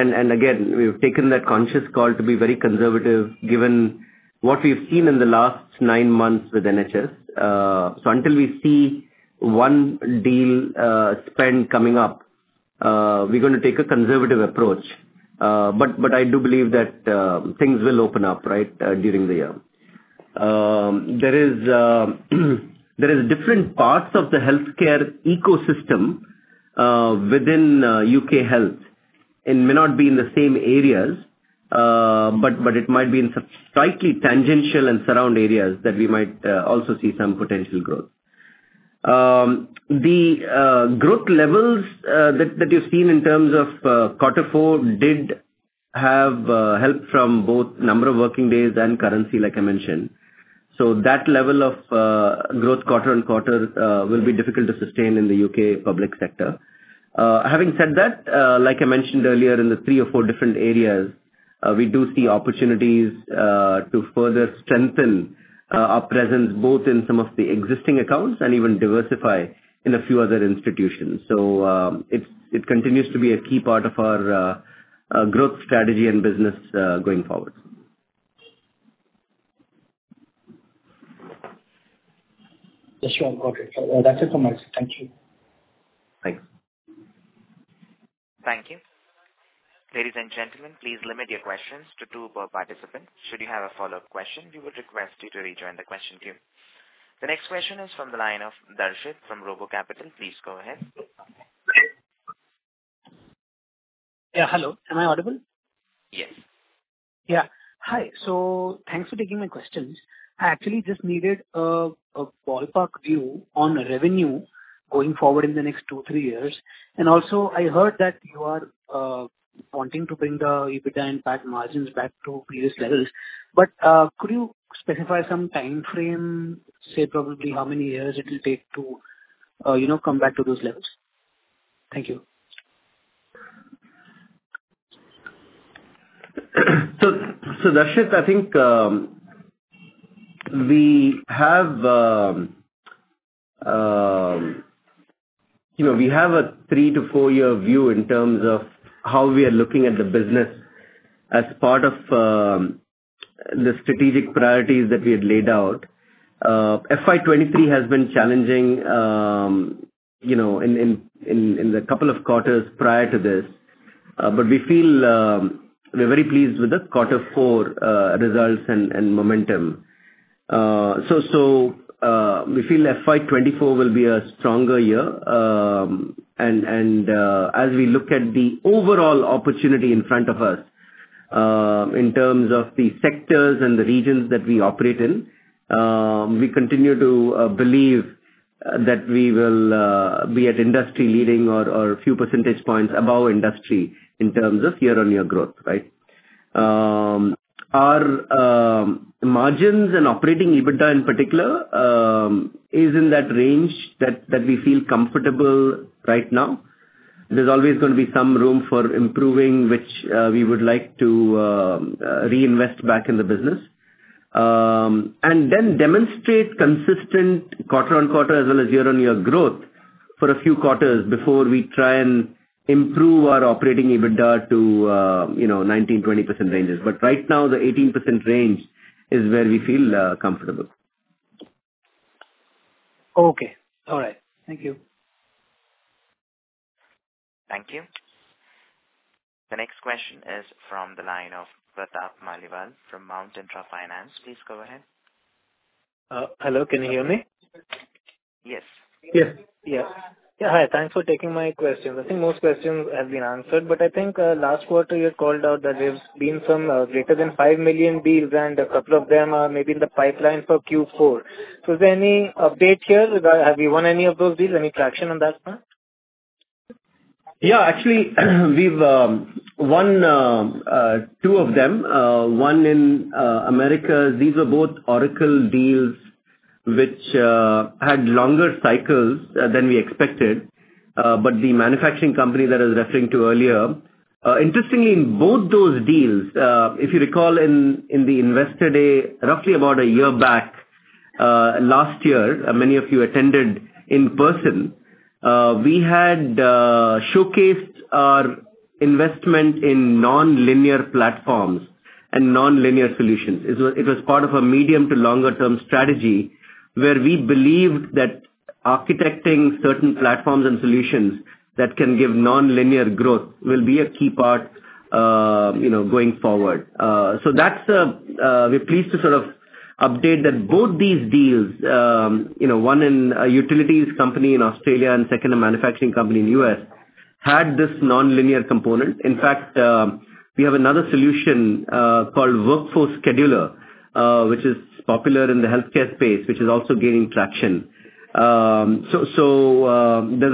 Speaker 3: And again, we've taken that conscious call to be very conservative given what we've seen in the last nine months with NHS. Until we see one deal, spend coming up, we're going to take a conservative approach. But I do believe that things will open up, right, during the year. There is different parts of the healthcare ecosystem within U.K. Health. It may not be in the same areas, but it might be in slightly tangential and surround areas that we might also see some potential growth. The growth levels that you've seen in terms of quarter four did have help from both number of working days and currency, like I mentioned. That level of growth quarter on quarter will be difficult to sustain in the U.K. public sector. Having said that, like I mentioned earlier, in the three or four different areas, we do see opportunities to further strengthen our presence, both in some of the existing accounts and even diversify in a few other institutions. It's, it continues to be a key part of our growth strategy and business going forward.
Speaker 12: Yes, sure. Got it. That's it from us. Thank you.
Speaker 3: Thanks.
Speaker 1: Thank you. Ladies and gentlemen, please limit your questions to two per participant. Should you have a follow-up question, we would request you to rejoin the question queue. The next question is from the line of Darshit from Robo Capital. Please go ahead.
Speaker 13: Hello. Am I audible?
Speaker 1: Yes.
Speaker 13: Yeah. Hi. Thanks for taking my questions. I actually just needed a ballpark view on revenue going forward in the next two, three years. Also, I heard that you are wanting to bring the EBITDA and PAT margins back to previous levels. Could you specify some timeframe, say probably how many years it'll take to, you know, come back to those levels? Thank you.
Speaker 3: Darshit, I think, you know, we have a three to four-year view in terms of how we are looking at the business as part of the strategic priorities that we had laid out. FY 2023 has been challenging, you know, in the couple of quarters prior to this. We feel, we're very pleased with the quarter four results and momentum. We feel FY 2024 will be a stronger year. As we look at the overall opportunity in front of us, in terms of the sectors and the regions that we operate in, we continue to believe that we will be at industry leading or a few percentage points above industry in terms of year-on-year growth, right? Our margins and operating EBITDA in particular, is in that range that we feel comfortable right now. There's always going to be some room for improving, which we would like to reinvest back in the business. Then demonstrate consistent quarter-on-quarter as well as year-on-year growth for a few quarters before we try and improve our operating EBITDA to, you know, 19%-20% ranges. Right now the 18% range is where we feel comfortable.
Speaker 13: Okay. All right. Thank you.
Speaker 1: Thank you. The next question is from the line of Pratap Maliwal from Mount Intra Finance. Please go ahead.
Speaker 14: Hello, can you hear me?
Speaker 1: Yes.
Speaker 3: Yes.
Speaker 12: Yeah. Yeah. Hi. Thanks for taking my questions. I think most questions have been answered, but I think, last quarter you had called out that there's been some, greater than $5 million deals, and a couple of them are maybe in the pipeline for Q4. Is there any update here? Have you won any of those deals? Any traction on that front?
Speaker 3: Yeah. Actually, we've won two of them. One in America. These are both Oracle deals which had longer cycles than we expected. The manufacturing company that I was referring to earlier. Interestingly, both those deals, if you recall in the Investor Day roughly about a year back, last year, many of you attended in person, we had showcased our investment in non-linear platforms and non-linear solutions. It was part of a medium to longer-term strategy where we believed that architecting certain platforms and solutions that can give nonlinear growth will be a key part, you know, going forward. That's, we're pleased to sort of update that both these deals, you know, one in a utilities company in Australia and second a manufacturing company in the U.S., had this nonlinear component. In fact, we have another solution called Workforce Scheduler, which is popular in the healthcare space, which is also gaining traction. There's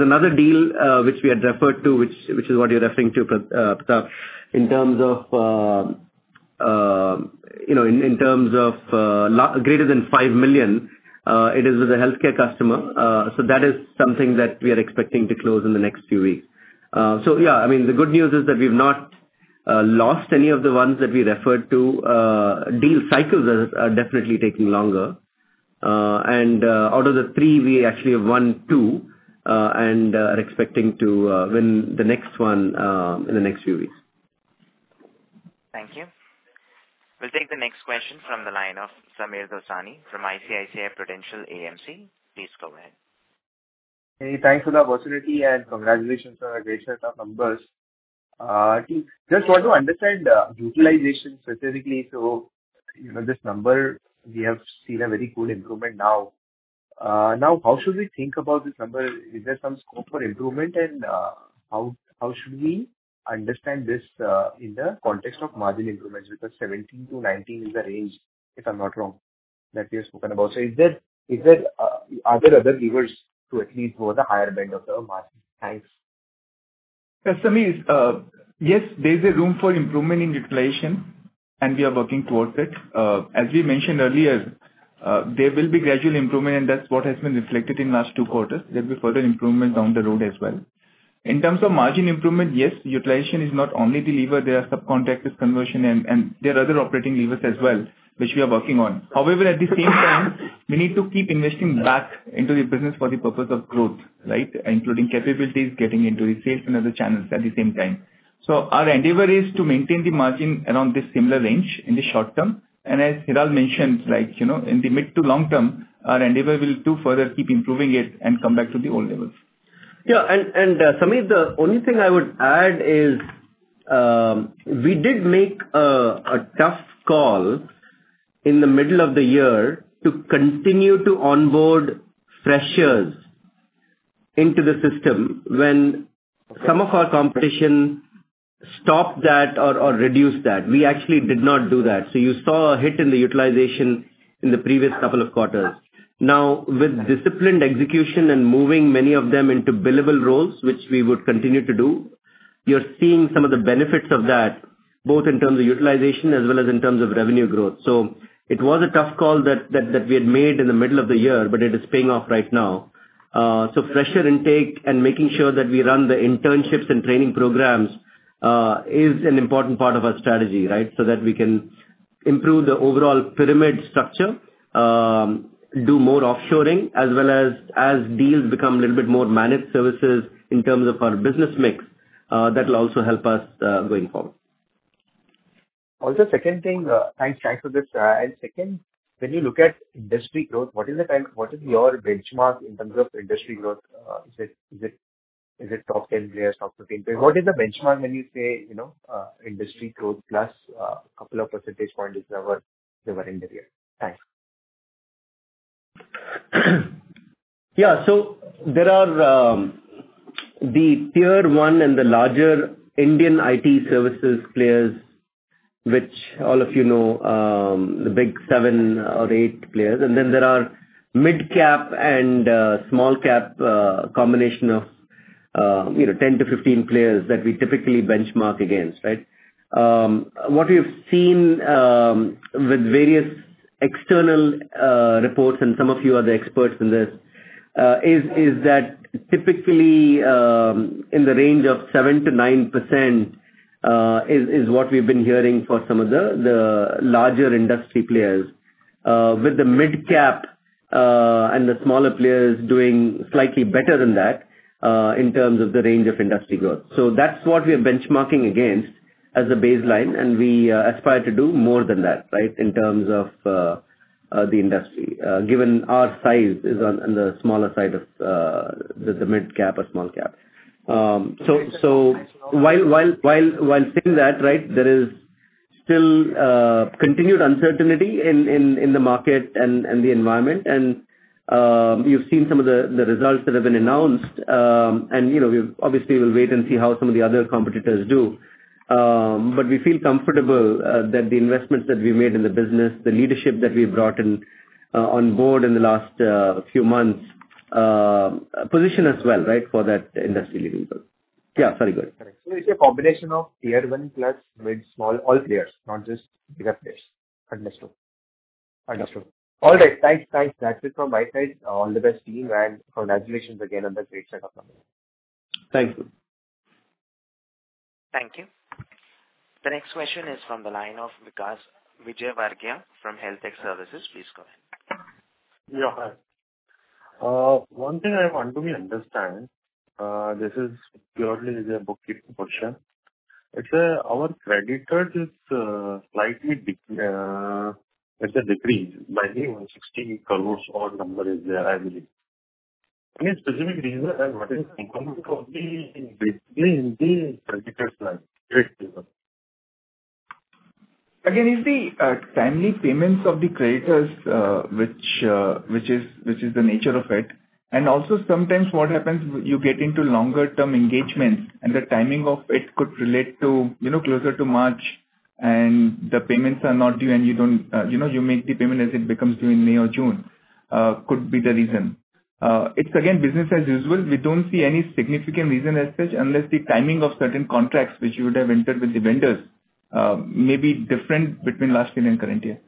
Speaker 3: another deal which we had referred to which is what you're referring to, Pratap. In terms of, you know, in terms of greater than $5 million, it is with a healthcare customer. That is something that we are expecting to close in the next few weeks. Yeah, I mean, the good news is that we've not lost any of the ones that we referred to. Deal cycles are definitely taking longer. Out of the three, we actually have won two, and are expecting to win the next one in the next few weeks.
Speaker 1: Thank you. We'll take the next question from the line of Sameer Dosani from ICICI Prudential AMC. Please go ahead.
Speaker 15: Hey, thanks for the opportunity, and congratulations on a great set of numbers. Just want to understand utilization specifically. You know, this number we have seen a very good improvement now. Now how should we think about this number? Is there some scope for improvement? How should we understand this in the context of margin improvements? Because 17%-19% is the range, if I'm not wrong, that we have spoken about. Are there other levers to at least go the higher end of the margin? Thanks.
Speaker 4: Yes, Sameer. Yes, there's a room for improvement in utilization, and we are working towards it. As we mentioned earlier, there will be gradual improvement, and that's what has been reflected in last two quarters. There'll be further improvement down the road as well. In terms of margin improvement, yes, utilization is not only the lever. There are sub-contractors conversion and there are other operating levers as well, which we are working on. However, at the same time, we need to keep investing back into the business for the purpose of growth, right? Including capabilities, getting into the sales and other channels at the same time. Our endeavor is to maintain the margin around this similar range in the short-term. As Hiral mentioned, like, you know, in the mid to long-term, our endeavor will to further keep improving it and come back to the old levels.
Speaker 3: Yeah. Sameer, the only thing I would add is, we did make a tough call in the middle of the year to continue to onboard freshers into the system. When some of our competition stopped that or reduced that, we actually did not do that. You saw a hit in the utilization in the previous couple of quarters. Now, with disciplined execution and moving many of them into billable roles, which we would continue to do, you're seeing some of the benefits of that, both in terms of utilization as well as in terms of revenue growth. It was a tough call that we had made in the middle of the year, but it is paying off right now. Fresher intake and making sure that we run the internships and training programs is an important part of our strategy, right? So that we can improve the overall pyramid structure, do more offshoring, as well as deals become a little bit more managed services in terms of our business mix, that'll also help us, going forward.
Speaker 15: Also, second thing, thanks for this. Second, when you look at industry growth, what is your benchmark in terms of industry growth? Is it top 10 players, top 15 players? What is the benchmark when you say, you know, industry growth plus, couple of percentage points is our end of year? Thanks.
Speaker 3: Yeah. There are the Tier 1 and the larger Indian IT services players, which all of you know, the big seven or eight players, and then there are mid-cap and small-cap combination of, you know, 10-15 players that we typically benchmark against, right? What we've seen with various external reports, and some of you are the experts in this, is that typically in the range of 7%-9% is what we've been hearing for some of the larger industry players. With the mid-cap and the smaller players doing slightly better than that, in terms of the range of industry growth. That's what we are benchmarking against as a baseline, and we aspire to do more than that, right? In terms of the industry. Given our size is on, in the smaller side of the mid-cap or small-cap. So while saying that, right, there is still continued uncertainty in the market and the environment. You've seen some of the results that have been announced. You know, we obviously will wait and see how some of the other competitors do. We feel comfortable that the investments that we made in the business, the leadership that we brought in on board in the last few months position us well, right, for that industry leadership. Yeah. Sorry, go ahead.
Speaker 15: Correct. It's a combination of Tier 1 plus mid, small, all players, not just bigger players. Understood. Understood. All right. Thanks. Thanks. That's it from my side. All the best team, and congratulations again on the great set of numbers.
Speaker 3: Thank you.
Speaker 1: Thank you. The next question is from the line of Vikas Vijayvargiya from Health Tech Services. Please go ahead.
Speaker 16: Yeah. One thing I want to understand, this is purely the bookkeeping question. It's our creditors is slightly decreased by 16 crore or number is there, I believe. Any specific reason and what is the component of the creditors like rate is up?
Speaker 3: Again, it's the timely payments of the creditors, which is the nature of it. Also sometimes what happens, you get into longer-term engagements, and the timing of it could relate to, you know, closer to March and the payments are not due, and you don't, you know, you make the payment as it becomes due in May or June, could be the reason. It's again business as usual. We don't see any significant reason as such unless the timing of certain contracts which you would have entered with the vendors, may be different between last year and current year.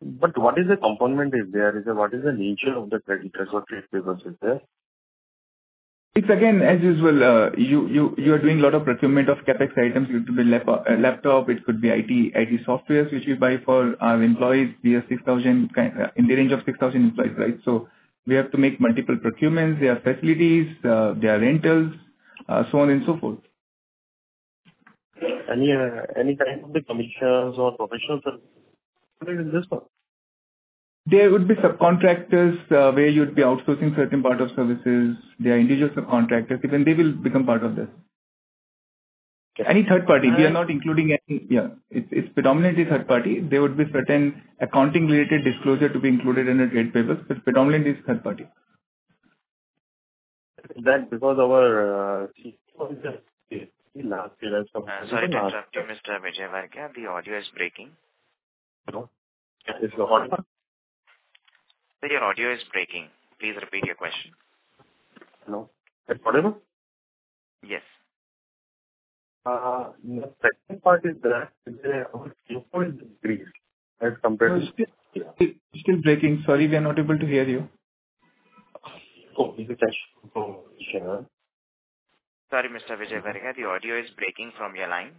Speaker 16: What is the nature of the creditors or trade payables is there?
Speaker 3: It's again, as usual, you are doing a lot of procurement of CapEx items. It could be laptop. It could be IT softwares which you buy for our employees. We are in the range of 6,000 employees, right? We have to make multiple procurements. There are facilities, there are rentals, so on and so forth.
Speaker 16: Any kind of the commissions or professionals are included in this one?
Speaker 3: There would be subcontractors, where you'd be outsourcing certain part of services. There are individual subcontractors. Even they will become part of this.
Speaker 16: Any third-party. We are not including any. Yeah.
Speaker 3: It's predominantly third-party. There would be certain accounting-related disclosure to be included in the trade payables, but predominantly it's third-party.
Speaker 16: That because our,
Speaker 1: Sorry to interrupt you, Mr. Vikas Vijayvargiya. The audio is breaking.
Speaker 16: Hello.
Speaker 1: Sir, your audio is breaking. Please repeat your question.
Speaker 16: Hello. Pardon?
Speaker 1: Yes.
Speaker 16: The second part is is there a growth or decrease as compared to...
Speaker 3: Still breaking. Sorry, we are not able to hear you.
Speaker 1: Sorry, Mr. Vikas Vijayvargiya. The audio is breaking from your line.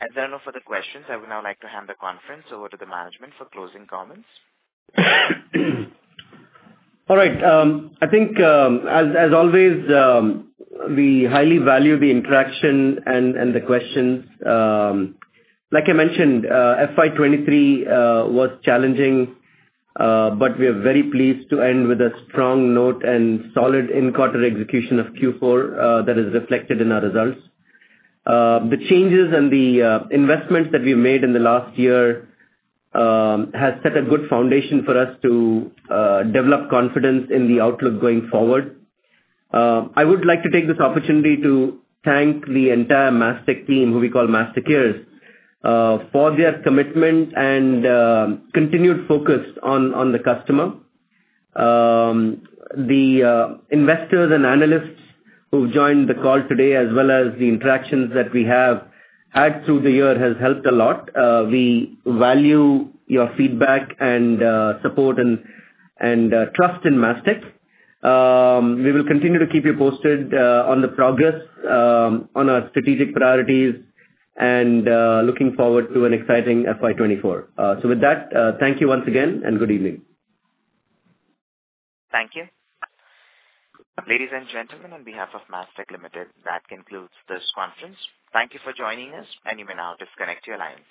Speaker 1: As there are no further questions, I would now like to hand the conference over to the management for closing comments.
Speaker 3: All right. I think, as always, we highly value the interaction and the questions. Like I mentioned, FY 2023 was challenging, but we are very pleased to end with a strong note and solid in-quarter execution of Q4, that is reflected in our results. The changes and the investments that we made in the last year has set a good foundation for us to develop confidence in the outlook going forward. I would like to take this opportunity to thank the entire Mastek team, who we call Mastekeers, for their commitment and continued focus on the customer. The investors and analysts who've joined the call today as well as the interactions that we have had through the year has helped a lot. We value your feedback and support and trust in Mastek. We will continue to keep you posted on the progress on our strategic priorities and looking forward to an exciting FY 2024. With that, thank you once again and good evening.
Speaker 1: Thank you. Ladies and gentlemen, on behalf of Mastek Limited, that concludes this conference. Thank you for joining us, and you may now disconnect your lines.